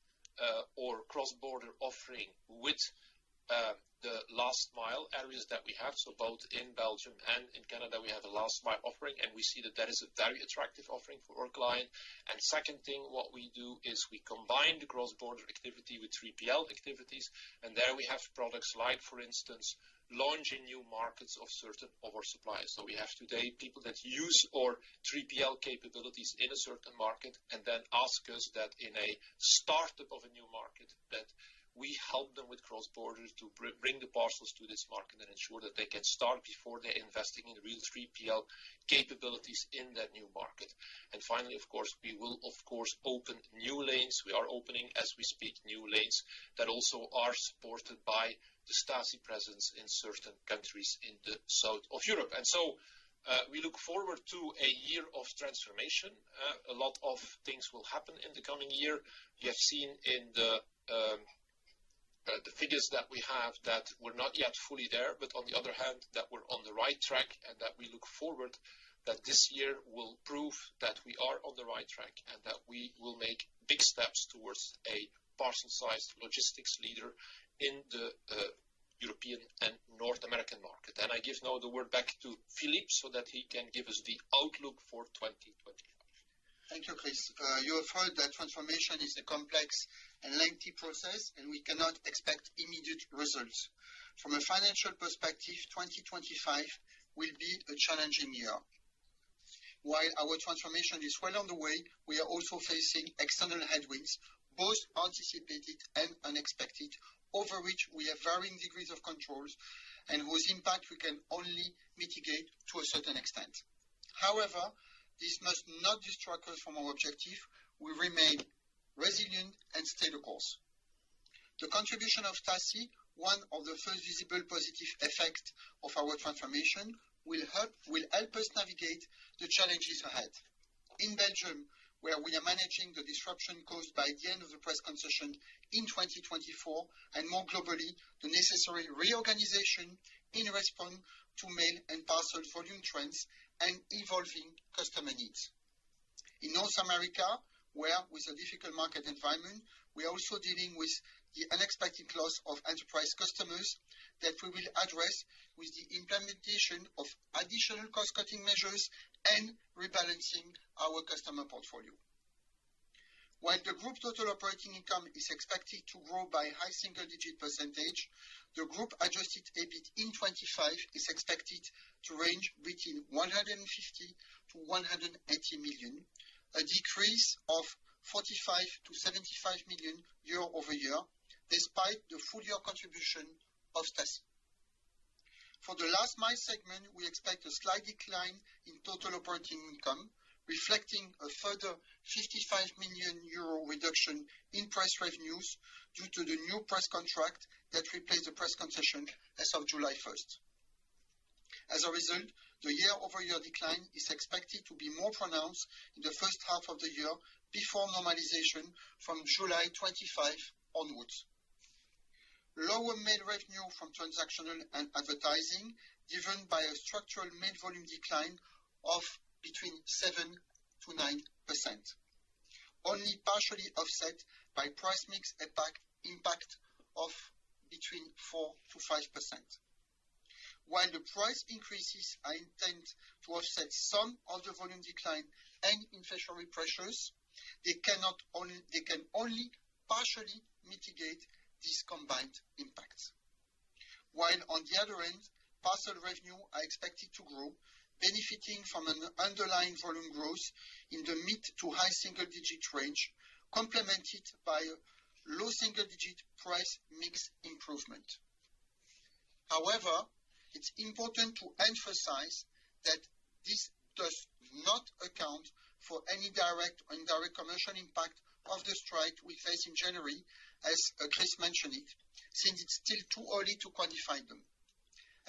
our cross-border offering with the last-mile areas that we have. Both in Belgium and in Canada, we have a last-mile offering, and we see that that is a very attractive offering for our client. The second thing, what we do is we combine the cross-border activity with 3PL activities, and there we have products like, for instance, launching new markets of certain oversuppliers. We have today people that use our 3PL capabilities in a certain market and then ask us that in a startup of a new market that we help them with cross-border to bring the parcels to this market and ensure that they can start before they're investing in real 3PL capabilities in that new market. Finally, of course, we will, of course, open new lanes. We are opening, as we speak, new lanes that also are supported by the Staci presence in certain countries in the south of Europe. We look forward to a year of transformation. A lot of things will happen in the coming year. We have seen in the figures that we have that we're not yet fully there, but on the other hand, that we're on the right track and that we look forward that this year will prove that we are on the right track and that we will make big steps towards a parcel-sized logistics leader in the European and North American market. I give now the word back to Philippe so that he can give us the outlook for 2025. Thank you, Chris. You have heard that transformation is a complex and lengthy process, and we cannot expect immediate results. From a financial perspective, 2025 will be a challenging year. While our transformation is well on the way, we are also facing external headwinds, both anticipated and unexpected, over which we have varying degrees of control and whose impact we can only mitigate to a certain extent. However, this must not distract us from our objective. We remain resilient and stay the course. The contribution of Staci, one of the first visible positive effects of our transformation, will help us navigate the challenges ahead. In Belgium, where we are managing the disruption caused by the end of the press concession in 2024, and more globally, the necessary reorganization in response to mail and parcel volume trends and evolving customer needs. In North America, where with a difficult market environment, we are also dealing with the unexpected loss of enterprise customers that we will address with the implementation of additional cost-cutting measures and rebalancing our customer portfolio. While the group total operating income is expected to grow by a high single-digit percentage, the group adjusted EBIT in 2025 is expected to range between 150 million-180 million, a decrease of 45 million-75 million year-over-year, despite the full-year contribution of Staci. For the last-mile segment, we expect a slight decline in total operating income, reflecting a further 55 million euro reduction in press revenues due to the new press contract that replaced the press concession as of July 1st. As a result, the year-over-year decline is expected to be more pronounced in the first half of the year before normalization from July 2025 onwards. Lower mail revenue from transactional and advertising driven by a structural mail volume decline of between 7%-9%, only partially offset by price mix impact of between 4%-5%. While the price increases are intent to offset some of the volume decline and inflationary pressures, they can only partially mitigate these combined impacts. While on the other end, parcel revenue is expected to grow, benefiting from an underlying volume growth in the mid to high single-digit range, complemented by low single-digit price mix improvement. However, it's important to emphasize that this does not account for any direct or indirect commercial impact of the strike we faced in January, as Chris mentioned, since it's still too early to quantify them.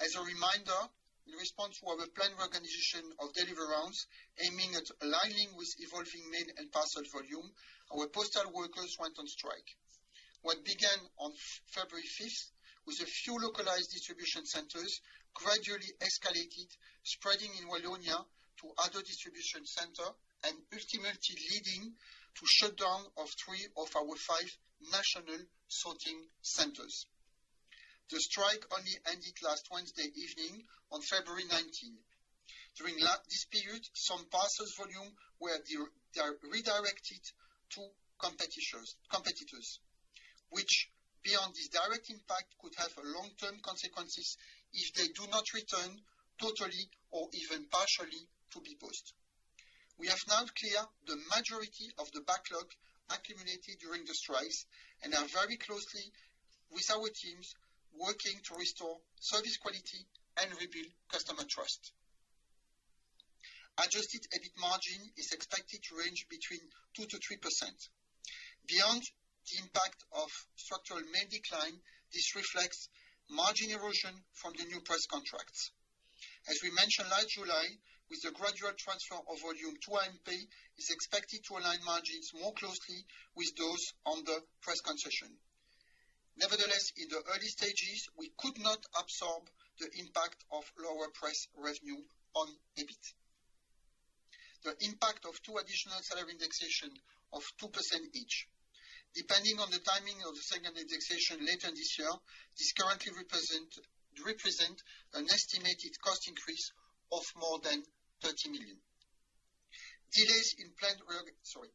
As a reminder, in response to our planned reorganization of delivery rounds aiming at aligning with evolving mail and parcel volume, our postal workers went on strike. What began on February 5th with a few localized distribution centers gradually escalated, spreading in Wallonia to other distribution centers and ultimately leading to the shutdown of three of our five national sorting centers. The strike only ended last Wednesday evening on February 19. During this period, some parcel volume was redirected to competitors, which, beyond this direct impact, could have long-term consequences if they do not return totally or even partially to bpostgroup. We have now cleared the majority of the backlog accumulated during the strikes and are very closely with our teams working to restore service quality and rebuild customer trust. Adjusted EBIT margin is expected to range between 2%-3%. Beyond the impact of structural mail decline, this reflects margin erosion from the new press contracts. As we mentioned last July, with the gradual transfer of volume to INP, it is expected to align margins more closely with those on the press concession. Nevertheless, in the early stages, we could not absorb the impact of lower press revenue on EBIT. The impact of two additional salary indexations of 2% each, depending on the timing of the second indexation later this year, is currently representing an estimated cost increase of more than 30 million. Delays in planned reorganization,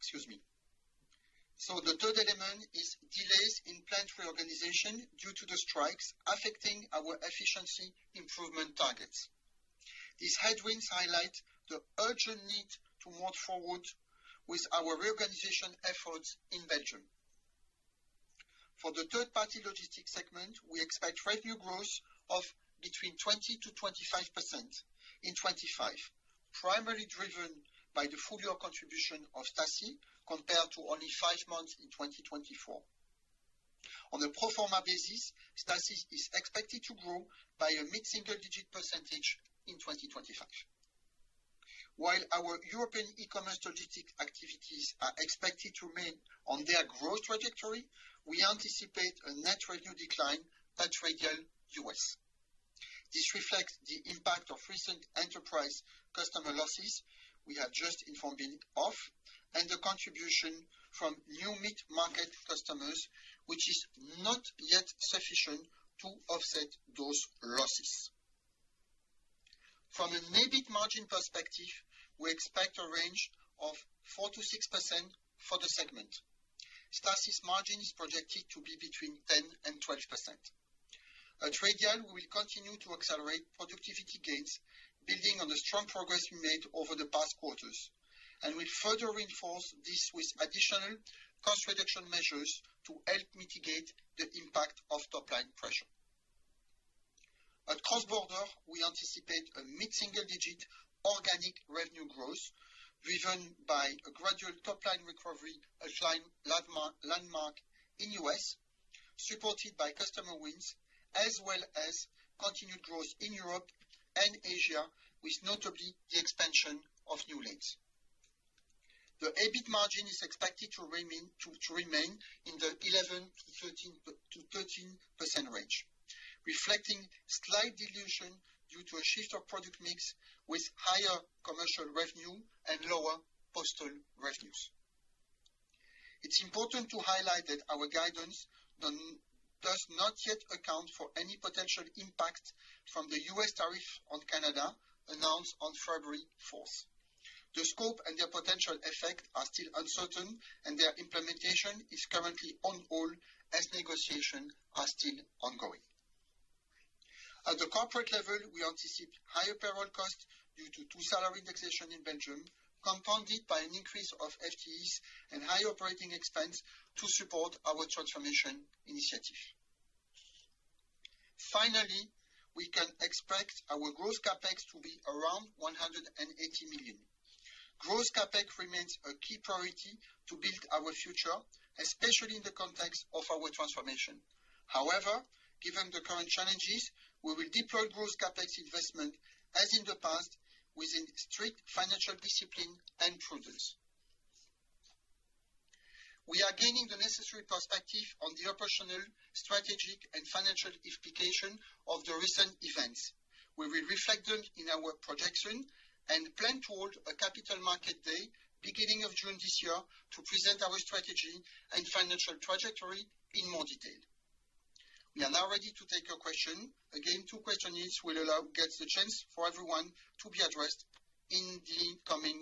excuse me. The third element is delays in planned reorganization due to the strikes affecting our efficiency improvement targets. These headwinds highlight the urgent need to move forward with our reorganization efforts in Belgium. For the third-party logistics segment, we expect revenue growth of between 20%-25% in 2025, primarily driven by the full-year contribution of Staci compared to only five months in 2024. On a pro forma basis, Staci is expected to grow by a mid-single-digit percentage in 2025. While our European e-commerce logistics activities are expected to remain on their growth trajectory, we anticipate a net revenue decline at Radial US. This reflects the impact of recent enterprise customer losses we have just informed Binny of and the contribution from new mid-market customers, which is not yet sufficient to offset those losses. From an EBIT margin perspective, we expect a range of 4%-6% for the segment. Staci's margin is projected to be between 10-12%. At Radial, we will continue to accelerate productivity gains, building on the strong progress we made over the past quarters, and we will further reinforce this with additional cost-reduction measures to help mitigate the impact of top-line pressure. At CrossBorder, we anticipate a mid-single-digit organic revenue growth driven by a gradual top-line recovery at Landmark Global in the U.S., supported by customer wins, as well as continued growth in Europe and Asia, with notably the expansion of new lanes. The EBIT margin is expected to remain in the 11%-13% range, reflecting slight dilution due to a shift of product mix with higher commercial revenue and lower postal revenues. It's important to highlight that our guidance does not yet account for any potential impact from the U.S. tariff on Canada announced on February 4th. The scope and their potential effect are still uncertain, and their implementation is currently on hold as negotiations are still ongoing. At the corporate level, we anticipate higher payroll costs due to two salary indexations in Belgium, compounded by an increase of FTEs and higher operating expense to support our transformation initiative. Finally, we can expect our gross CapEx to be around 180 million. Gross CapEx remains a key priority to build our future, especially in the context of our transformation. However, given the current challenges, we will deploy gross CapEx investment as in the past within strict financial discipline and prudence. We are gaining the necessary perspective on the operational, strategic, and financial implications of the recent events, where we reflect them in our projection and plan to hold a capital market day beginning of June this year to present our strategy and financial trajectory in more detail. We are now ready to take your questions. Again, two questionnaires will get the chance for everyone to be addressed in the coming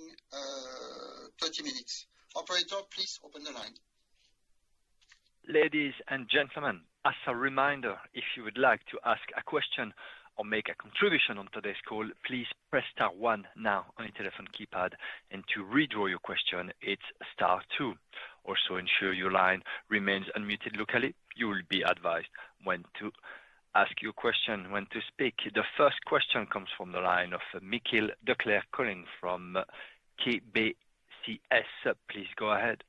30 minutes. Operator, please open the line. Ladies and gentlemen, as a reminder, if you would like to ask a question or make a contribution on today's call, please press star one now on your telephone keypad, and to withdraw your question, it's star two. Also, ensure your line remains unmuted locally. You will be advised when to ask your question, when to speak. The first question comes from the line of Michiel Declercq Calling from KBCS. Please go ahead.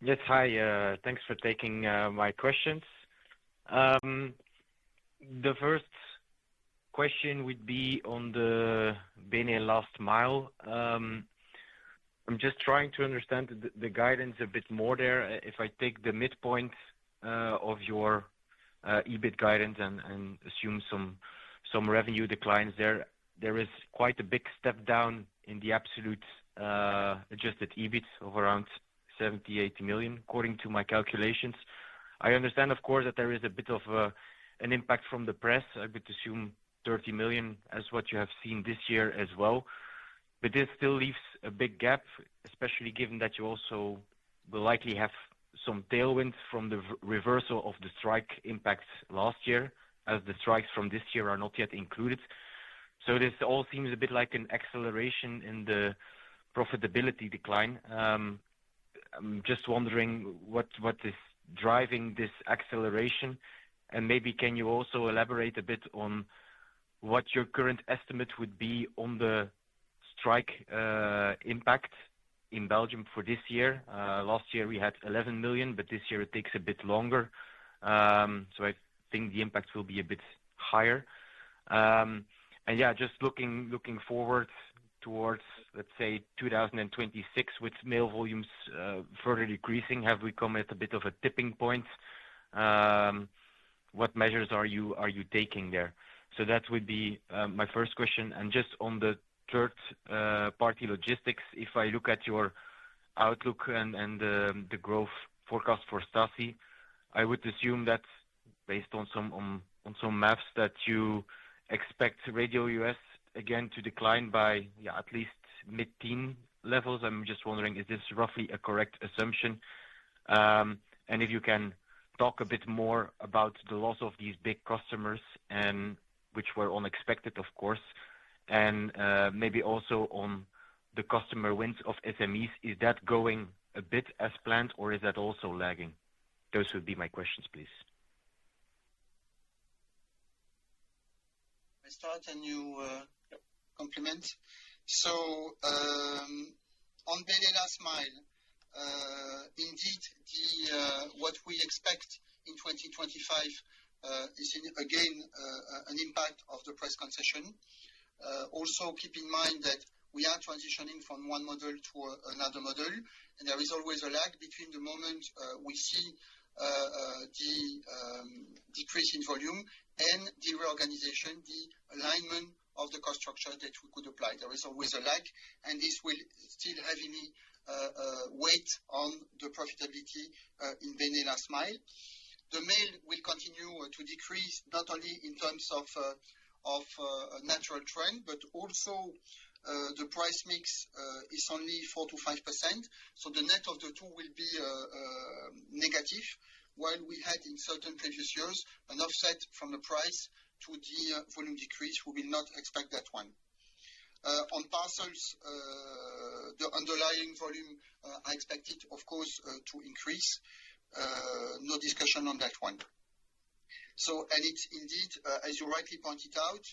Yes, hi. Thanks for taking my questions. The first question would be on the bpostgroup last mile. I'm just trying to understand the guidance a bit more there. If I take the midpoint of your EBIT guidance and assume some revenue declines there, there is quite a big step down in the absolute adjusted EBIT of around 78 million, according to my calculations. I understand, of course, that there is a bit of an impact from the press. I would assume 30 million is what you have seen this year as well. This still leaves a big gap, especially given that you also will likely have some tailwinds from the reversal of the strike impact last year, as the strikes from this year are not yet included. This all seems a bit like an acceleration in the profitability decline. I'm just wondering what is driving this acceleration, and maybe can you also elaborate a bit on what your current estimate would be on the strike impact in Belgium for this year? Last year, we had 11 million, but this year it takes a bit longer. I think the impact will be a bit higher. Yeah, just looking forward towards, let's say, 2026, with mail volumes further decreasing, have we come at a bit of a tipping point? What measures are you taking there? That would be my first question. Just on the third-party logistics, if I look at your outlook and the growth forecast for Staci, I would assume that, based on some maths, you expect Radial U.S., again, to decline by at least mid-teen levels. I'm just wondering, is this roughly a correct assumption? If you can talk a bit more about the loss of these big customers, which were unexpected, of course, and maybe also on the customer wins of SMEs, is that going a bit as planned, or is that also lagging? Those would be my questions, please. I'll start a new compliment. On bpostgroup last mile, indeed, what we expect in 2025 is, again, an impact of the press concession. Also, keep in mind that we are transitioning from one model to another model, and there is always a lag between the moment we see the decrease in volume and the reorganization, the alignment of the cost structure that we could apply. There is always a lag, and this will still have any weight on the profitability in bpostgroup last mile. The mail will continue to decrease, not only in terms of natural trend, but also the price mix is only 4%-5%. The net of the two will be negative, while we had, in certain previous years, an offset from the price to the volume decrease. We will not expect that one. On parcels, the underlying volume is expected, of course, to increase. No discussion on that one. Indeed, as you rightly pointed out,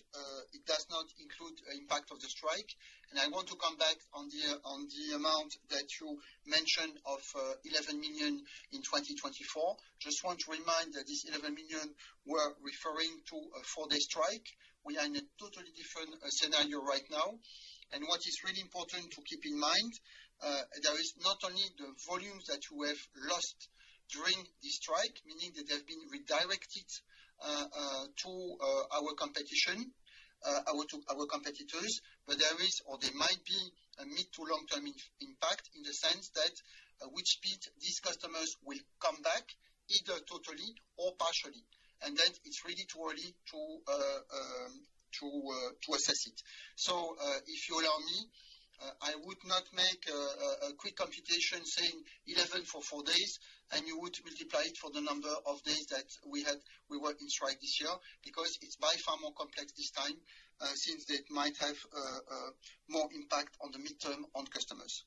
it does not include the impact of the strike. I want to come back on the amount that you mentioned of 11 million in 2024. I just want to remind that this 11 million we're referring to is for the strike. We are in a totally different scenario right now. What is really important to keep in mind, there is not only the volumes that you have lost during the strike, meaning that they have been redirected to our competition, our competitors, but there is, or there might be, a mid-to-long-term impact in the sense that with speed, these customers will come back either totally or partially. It is really too early to assess it. If you allow me, I would not make a quick computation saying 11 million for four days, and you would multiply it for the number of days that we were in strike this year because it is by far more complex this time since it might have more impact on the midterm on customers.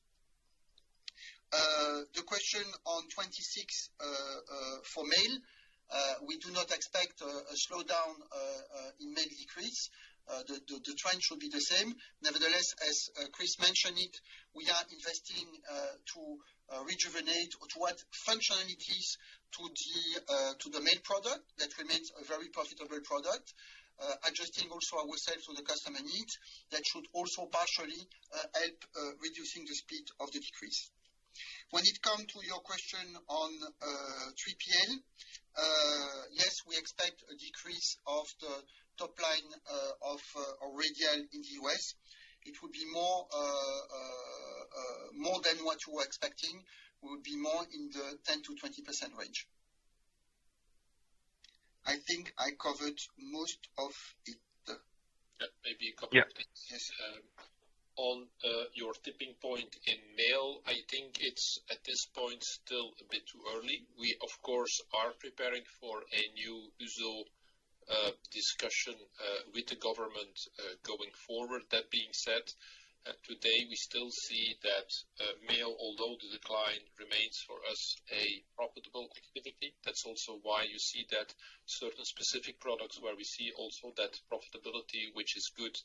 The question on 26 for mail, we do not expect a slowdown in mail decrease. The trend should be the same. Nevertheless, as Chris mentioned it, we are investing to rejuvenate or to add functionalities to the main product that remains a very profitable product, adjusting also ourselves to the customer needs that should also partially help reduce the speed of the decrease. When it comes to your question on 3PL, yes, we expect a decrease of the top line of Radial in the US. It would be more than what you were expecting. It would be more in the 10%-20% range. I think I covered most of it. Yeah, maybe a couple of things. Yes. On your tipping point in mail, I think it's at this point still a bit too early. We, of course, are preparing for a new USO discussion with the government going forward. That being said, today, we still see that mail, although the decline remains, for us a profitable activity. That's also why you see that certain specific products where we see also that profitability, which is good,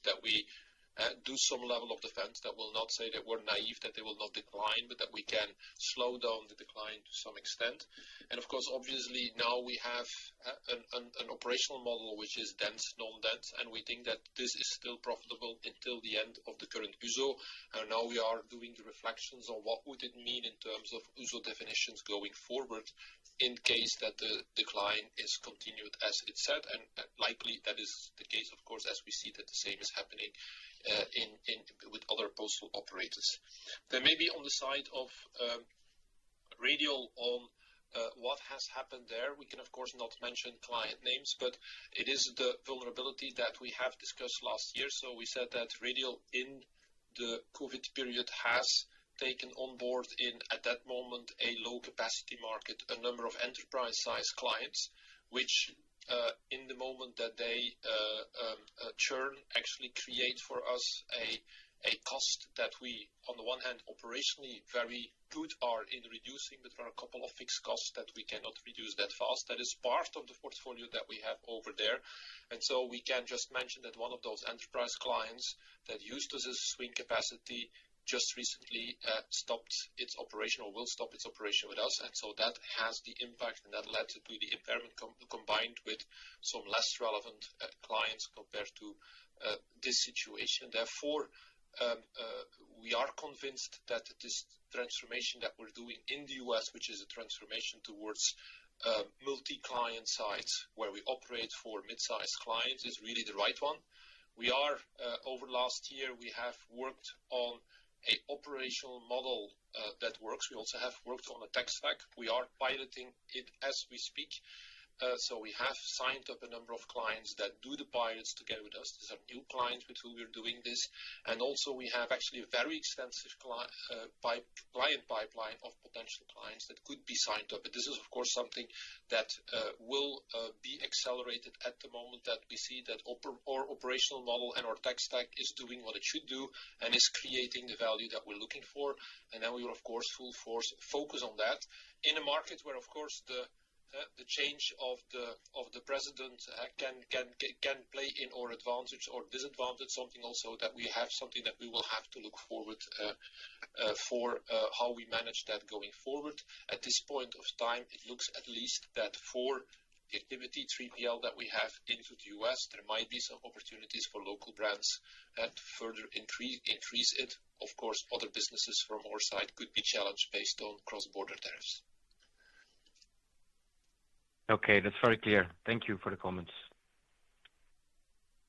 that we do some level of defense. That will not say that we're naive, that they will not decline, but that we can slow down the decline to some extent. Of course, obviously, now we have an operational model which is dense-non-dense, and we think that this is still profitable until the end of the current USO. We are doing the reflections on what would it mean in terms of USO definitions going forward in case that the decline is continued, as it said. Likely that is the case, of course, as we see that the same is happening with other postal operators. Maybe on the side of Radial on what has happened there, we can, of course, not mention client names, but it is the vulnerability that we have discussed last year. We said that Radial in the COVID period has taken on board in, at that moment, a low-capacity market, a number of enterprise-sized clients, which in the moment that they churn, actually create for us a cost that we, on the one hand, operationally are very good in reducing, but there are a couple of fixed costs that we cannot reduce that fast. That is part of the portfolio that we have over there. We can just mention that one of those enterprise clients that used to swing capacity just recently stopped its operation or will stop its operation with us. That has the impact, and that led to the impairment combined with some less relevant clients compared to this situation. Therefore, we are convinced that this transformation that we're doing in the U.S., which is a transformation towards multi-client sites where we operate for mid-sized clients, is really the right one. Over the last year, we have worked on an operational model that works. We also have worked on a tech stack. We are piloting it as we speak. We have signed up a number of clients that do the pilots together with us. These are new clients with whom we're doing this. We have actually a very extensive client pipeline of potential clients that could be signed up. This is, of course, something that will be accelerated at the moment that we see that our operational model and our tech stack is doing what it should do and is creating the value that we're looking for. We will, of course, full force focus on that in a market where, of course, the change of the president can play in our advantage or disadvantage, something also that we have something that we will have to look forward for how we manage that going forward. At this point of time, it looks at least that for the activity 3PL that we have into the U.S., there might be some opportunities for local brands and further increase it. Of course, other businesses from our side could be challenged based on cross-border tariffs. Okay, that's very clear. Thank you for the comments.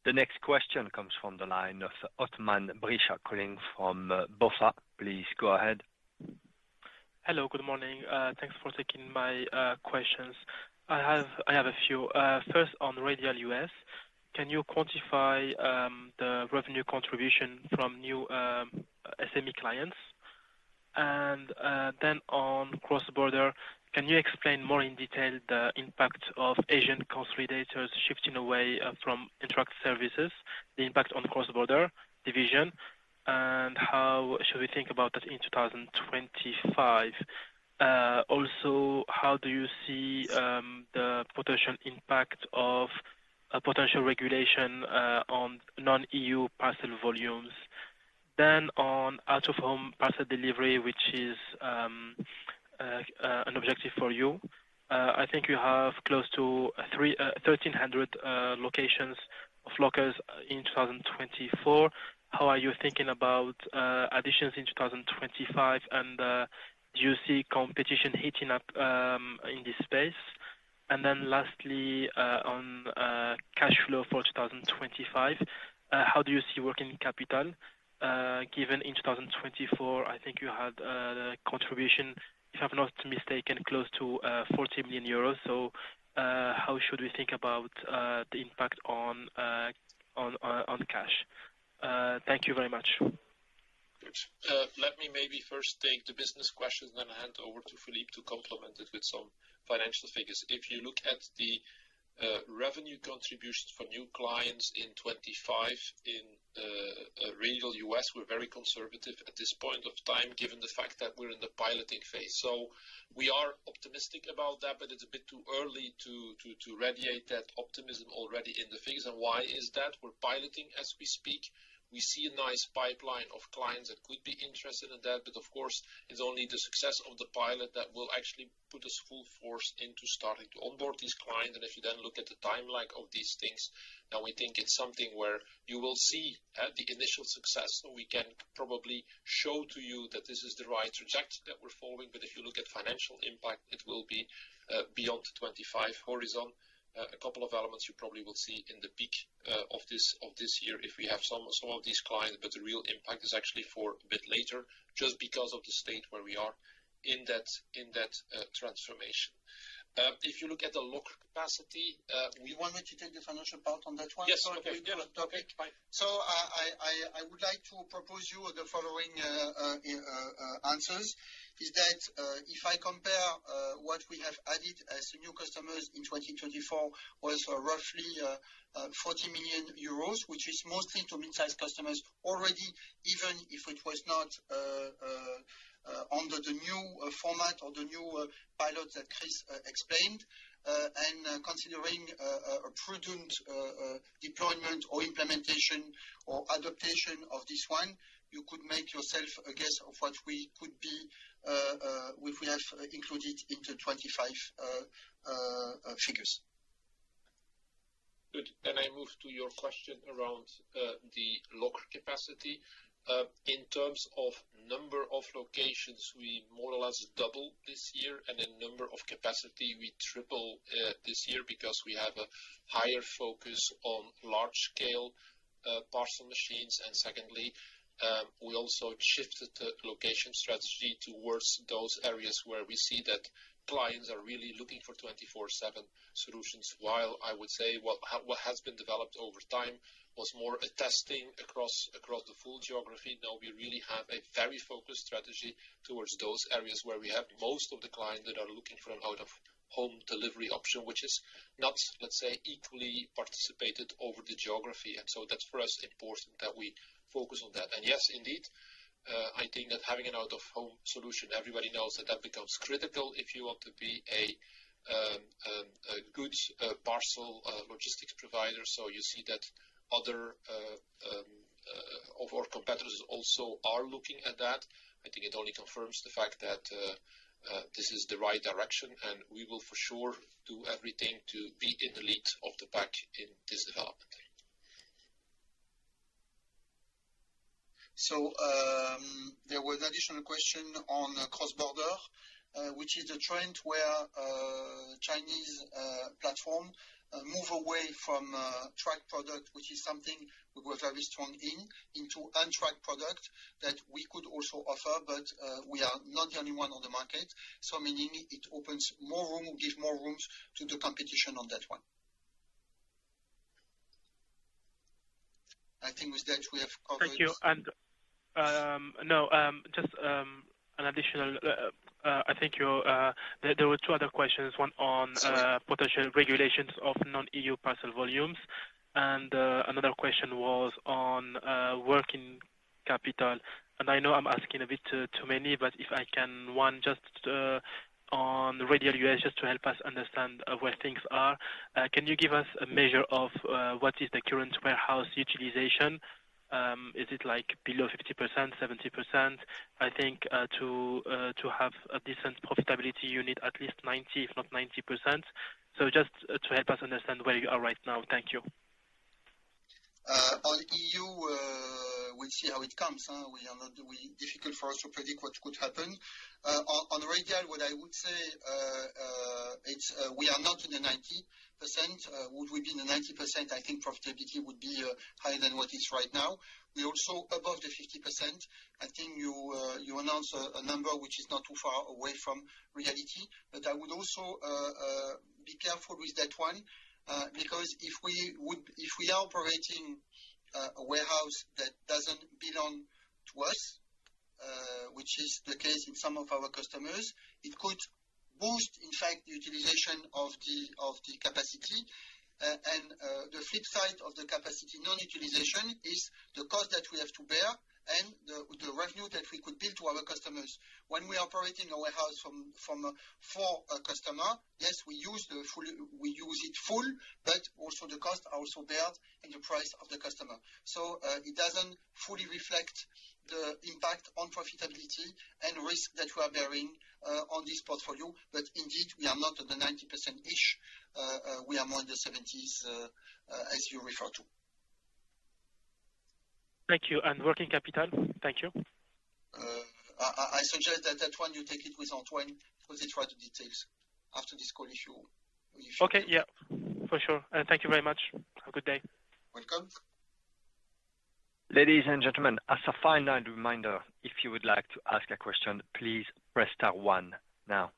The next question comes from the line of Othmane Bricha calling from BofA. Please go ahead. Hello, good morning. Thanks for taking my questions. I have a few. First, on Radial U.S., can you quantify the revenue contribution from new SME clients? On cross-border, can you explain more in detail the impact of Asian consolidators shifting away from interact services, the impact on cross-border division, and how should we think about that in 2025? Also, how do you see the potential impact of potential regulation on non-EU parcel volumes? On out-of-home parcel delivery, which is an objective for you, I think you have close to 1,300 locations of lockers in 2024. How are you thinking about additions in 2025, and do you see competition heating up in this space? Lastly, on cash flow for 2025, how do you see working capital given in 2024? I think you had a contribution, if I'm not mistaken, close to 40 million euros. How should we think about the impact on cash? Thank you very much. Let me maybe first take the business questions and then hand over to Philippe to complement it with some financial figures. If you look at the revenue contributions for new clients in 2025 in Radial U.S., we're very conservative at this point of time, given the fact that we're in the piloting phase. We are optimistic about that, but it's a bit too early to radiate that optimism already in the figures. Why is that? We're piloting as we speak. We see a nice pipeline of clients that could be interested in that, but of course, it's only the success of the pilot that will actually put us full force into starting to onboard these clients. If you then look at the timeline of these things, we think it's something where you will see the initial success. We can probably show to you that this is the right trajectory that we're following. If you look at financial impact, it will be beyond the 2025 horizon. A couple of elements you probably will see in the peak of this year if we have some of these clients, but the real impact is actually for a bit later just because of the state where we are in that transformation. If you look at the locker capacity, We wanted to take the financial part on that one. Yes, sorry, go ahead. I would like to propose you the following answers. If I compare what we have added as new customers in 2024, it was roughly 40 million euros, which is mostly to mid-sized customers already, even if it was not under the new format or the new pilot that Chris explained. Considering a prudent deployment or implementation or adaptation of this one, you could make yourself a guess of what we could be if we have included into 25 figures. Good. I move to your question around the locker capacity. In terms of number of locations, we more or less doubled this year, and the number of capacity we tripled this year because we have a higher focus on large-scale parcel machines. Secondly, we also shifted the location strategy towards those areas where we see that clients are really looking for 24/7 solutions, while I would say what has been developed over time was more a testing across the full geography. Now we really have a very focused strategy towards those areas where we have most of the clients that are looking for an out-of-home delivery option, which is not, let's say, equally participated over the geography. That is for us important that we focus on that. Yes, indeed, I think that having an out-of-home solution, everybody knows that that becomes critical if you want to be a good parcel logistics provider. You see that other of our competitors also are looking at that. I think it only confirms the fact that this is the right direction, and we will for sure do everything to be in the lead of the pack in this development. There was an additional question on cross-border, which is the trend where Chinese platforms move away from track product, which is something we were very strong in, into untracked product that we could also offer, but we are not the only one on the market. Meaning it opens more room, gives more room to the competition on that one. I think with that, we have covered. Thank you. No, just an additional, I think there were two other questions, one on potential regulations of non-EU parcel volumes, and another question was on working capital. I know I'm asking a bit too many, but if I can, one just on Radial US, just to help us understand where things are. Can you give us a measure of what is the current warehouse utilization? Is it below 50%, 70%? I think to have a decent profitability, you need at least 90%, if not 90%. Just to help us understand where you are right now. Thank you. On EU, we see how it comes. It's difficult for us to predict what could happen. On Radial, what I would say, we are not in the 90%. Would we be in the 90%? I think profitability would be higher than what it's right now. We're also above the 50%. I think you announced a number which is not too far away from reality. I would also be careful with that one because if we are operating a warehouse that does not belong to us, which is the case in some of our customers, it could boost, in fact, the utilization of the capacity. The flip side of the capacity non-utilization is the cost that we have to bear and the revenue that we could bill to our customers. When we are operating a warehouse from a customer, yes, we use it full, but also the costs are also borne in the price of the customer. It does not fully reflect the impact on profitability and risk that we are bearing on this portfolio. Indeed, we are not at the 90%-ish. We are more in the 70s, as you refer to. Thank you. And working capital? Thank you. I suggest that that one you take it with Antoine because it's rather detailed. After this call, if you want. Okay, yeah. For sure. Thank you very much. Have a good day. Welcome. Ladies and gentlemen, as a final reminder, if you would like to ask a question, please press star one now.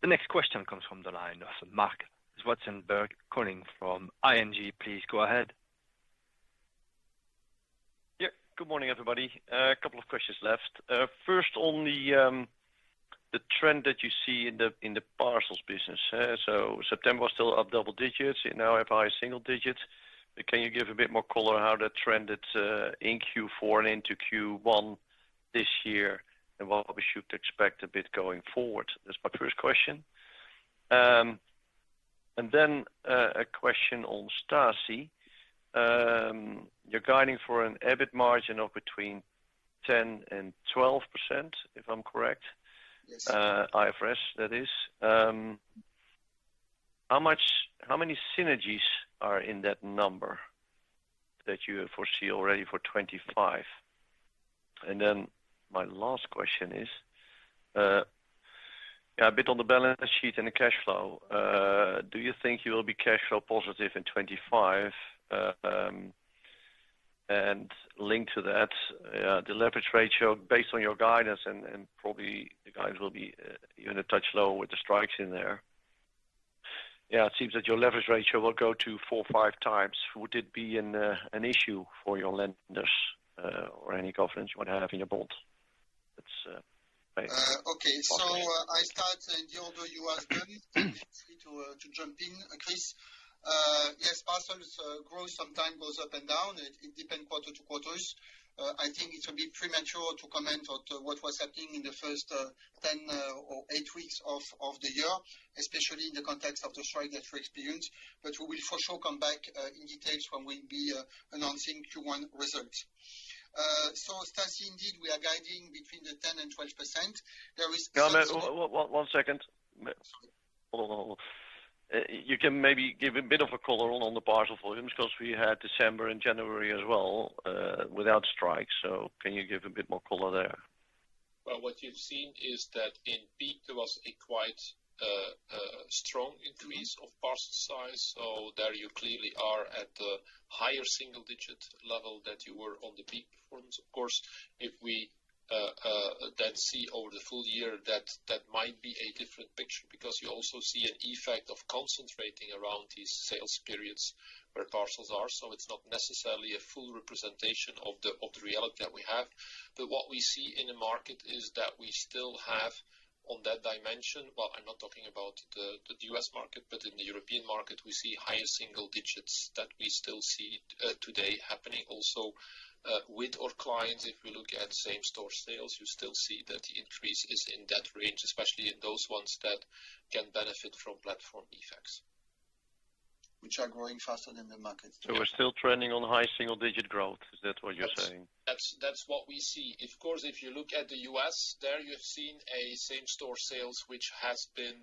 The next question comes from the line of Mark Buitenhek calling from ING. Please go ahead. Yeah. Good morning, everybody. A couple of questions left. First, on the trend that you see in the parcels business. September was still up double digits. Now we have high single digits. Can you give a bit more color on how that trended in Q4 and into Q1 this year and what we should expect a bit going forward? That's my first question. And then a question on Staci. You're guiding for an EBIT margin of between 10% and 12%, if I'm correct. Yes. IFRS, that is. How many synergies are in that number that you foresee already for 2025? And then my last question is, yeah, a bit on the balance sheet and the cash flow. Do you think you will be cash flow positive in 2025? And linked to that, the leverage ratio based on your guidance, and probably the guidance will be even a touch lower with the strikes in there. Yeah, it seems that your leverage ratio will go to four-five times. Would it be an issue for your lenders or any governments you might have in your board? Okay. I start in the order you asked them. To jump in, Chris, yes, parcels growth sometimes goes up and down. It depends quarter to quarters. I think it will be premature to comment on what was happening in the first 10 or 8 weeks of the year, especially in the context of the strike that we experienced. We will for sure come back in details when we'll be announcing Q1 results. Staci, indeed, we are guiding between the 10% and 12%. There is one second. Hold on. You can maybe give a bit of a color on the parcel volumes because we had December and January as well without strikes. Can you give a bit more color there? What you've seen is that in peak, there was a quite strong increase of parcel size. There you clearly are at the higher single-digit level that you were on the peak performance. Of course, if we then see over the full year, that might be a different picture because you also see an effect of concentrating around these sales periods where parcels are. It is not necessarily a full representation of the reality that we have. What we see in the market is that we still have on that dimension. I am not talking about the US market, but in the European market, we see higher single digits that we still see today happening also with our clients. If we look at same-store sales, you still see that the increase is in that range, especially in those ones that can benefit from platform effects, which are growing faster than the market. We are still trending on high single-digit growth. Is that what you are saying? That is what we see. Of course, if you look at the US, there you've seen a same-store sales, which has been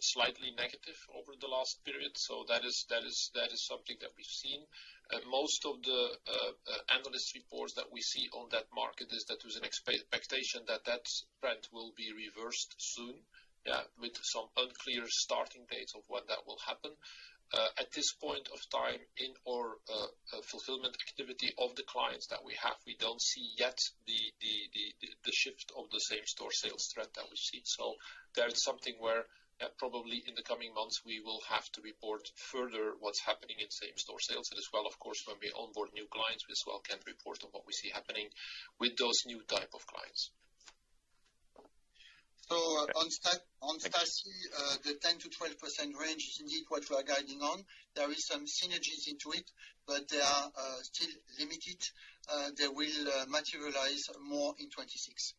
slightly negative over the last period. That is something that we've seen. Most of the analyst reports that we see on that market is that there's an expectation that that trend will be reversed soon, yeah, with some unclear starting dates of when that will happen. At this point of time in our fulfillment activity of the clients that we have, we don't see yet the shift of the same-store sales threat that we've seen. That is something where probably in the coming months, we will have to report further what's happening in same-store sales. As well, of course, when we onboard new clients, we as well can report on what we see happening with those new type of clients. On Staci, the 10%-12% range is indeed what we are guiding on. There are some synergies into it, but they are still limited. They will materialize more in 2026,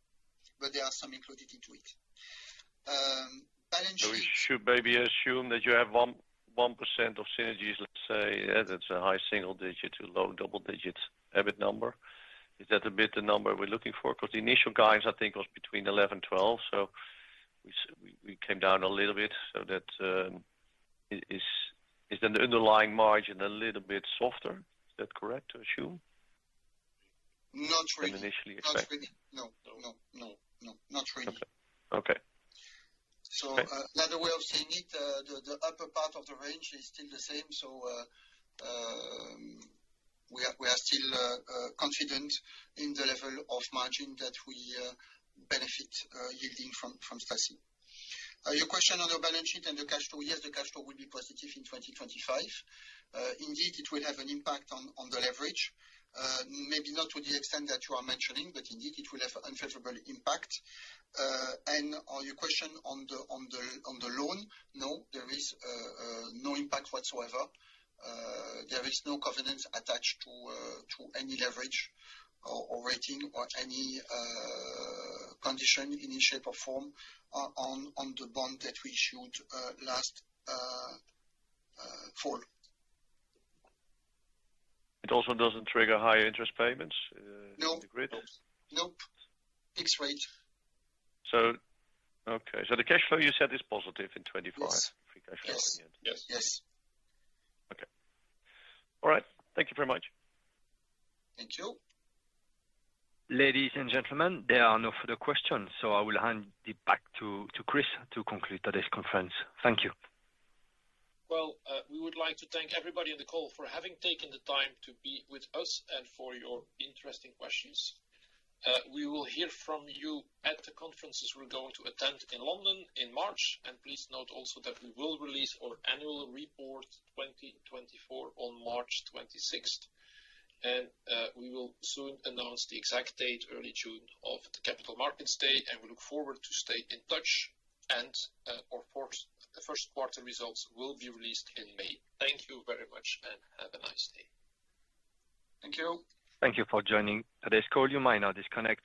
but there are some included into it. We should maybe assume that you have 1% of synergies, let's say, that's a high single-digit to low double-digit EBIT number. Is that a bit the number we're looking for? Because the initial guidance, I think, was between 11%-12%. We came down a little bit. Is then the underlying margin a little bit softer? Is that correct to assume? Not really. Than initially expected. Not really. No, no, no, no. Not really. Okay. Another way of saying it, the upper part of the range is still the same. We are still confident in the level of margin that we benefit yielding from Staci. Your question on the balance sheet and the cash flow, yes, the cash flow will be positive in 2025. Indeed, it will have an impact on the leverage. Maybe not to the extent that you are mentioning, but indeed, it will have an unfavorable impact. On your question on the loan, no, there is no impact whatsoever. There is no covenant attached to any leverage or rating or any condition in any shape or form on the bond that we issued last fall. It also does not trigger higher interest payments? No. Nope. Fixed rate. Okay. The cash flow you said is positive in 2025? Yes. Yes. Yes. Okay. All right. Thank you very much. Thank you. Ladies and gentlemen, there are no further questions. I will hand it back to Chris to conclude today's conference. Thank you. We would like to thank everybody in the call for having taken the time to be with us and for your interesting questions. We will hear from you at the conferences we are going to attend in London in March. Please note also that we will release our annual report 2024 on March 26. We will soon announce the exact date, early June, of the Capital Markets Day. We look forward to staying in touch. The first quarter results will be released in May. Thank you very much and have a nice day. Thank you. Thank you for joining today's call. You may now disconnect.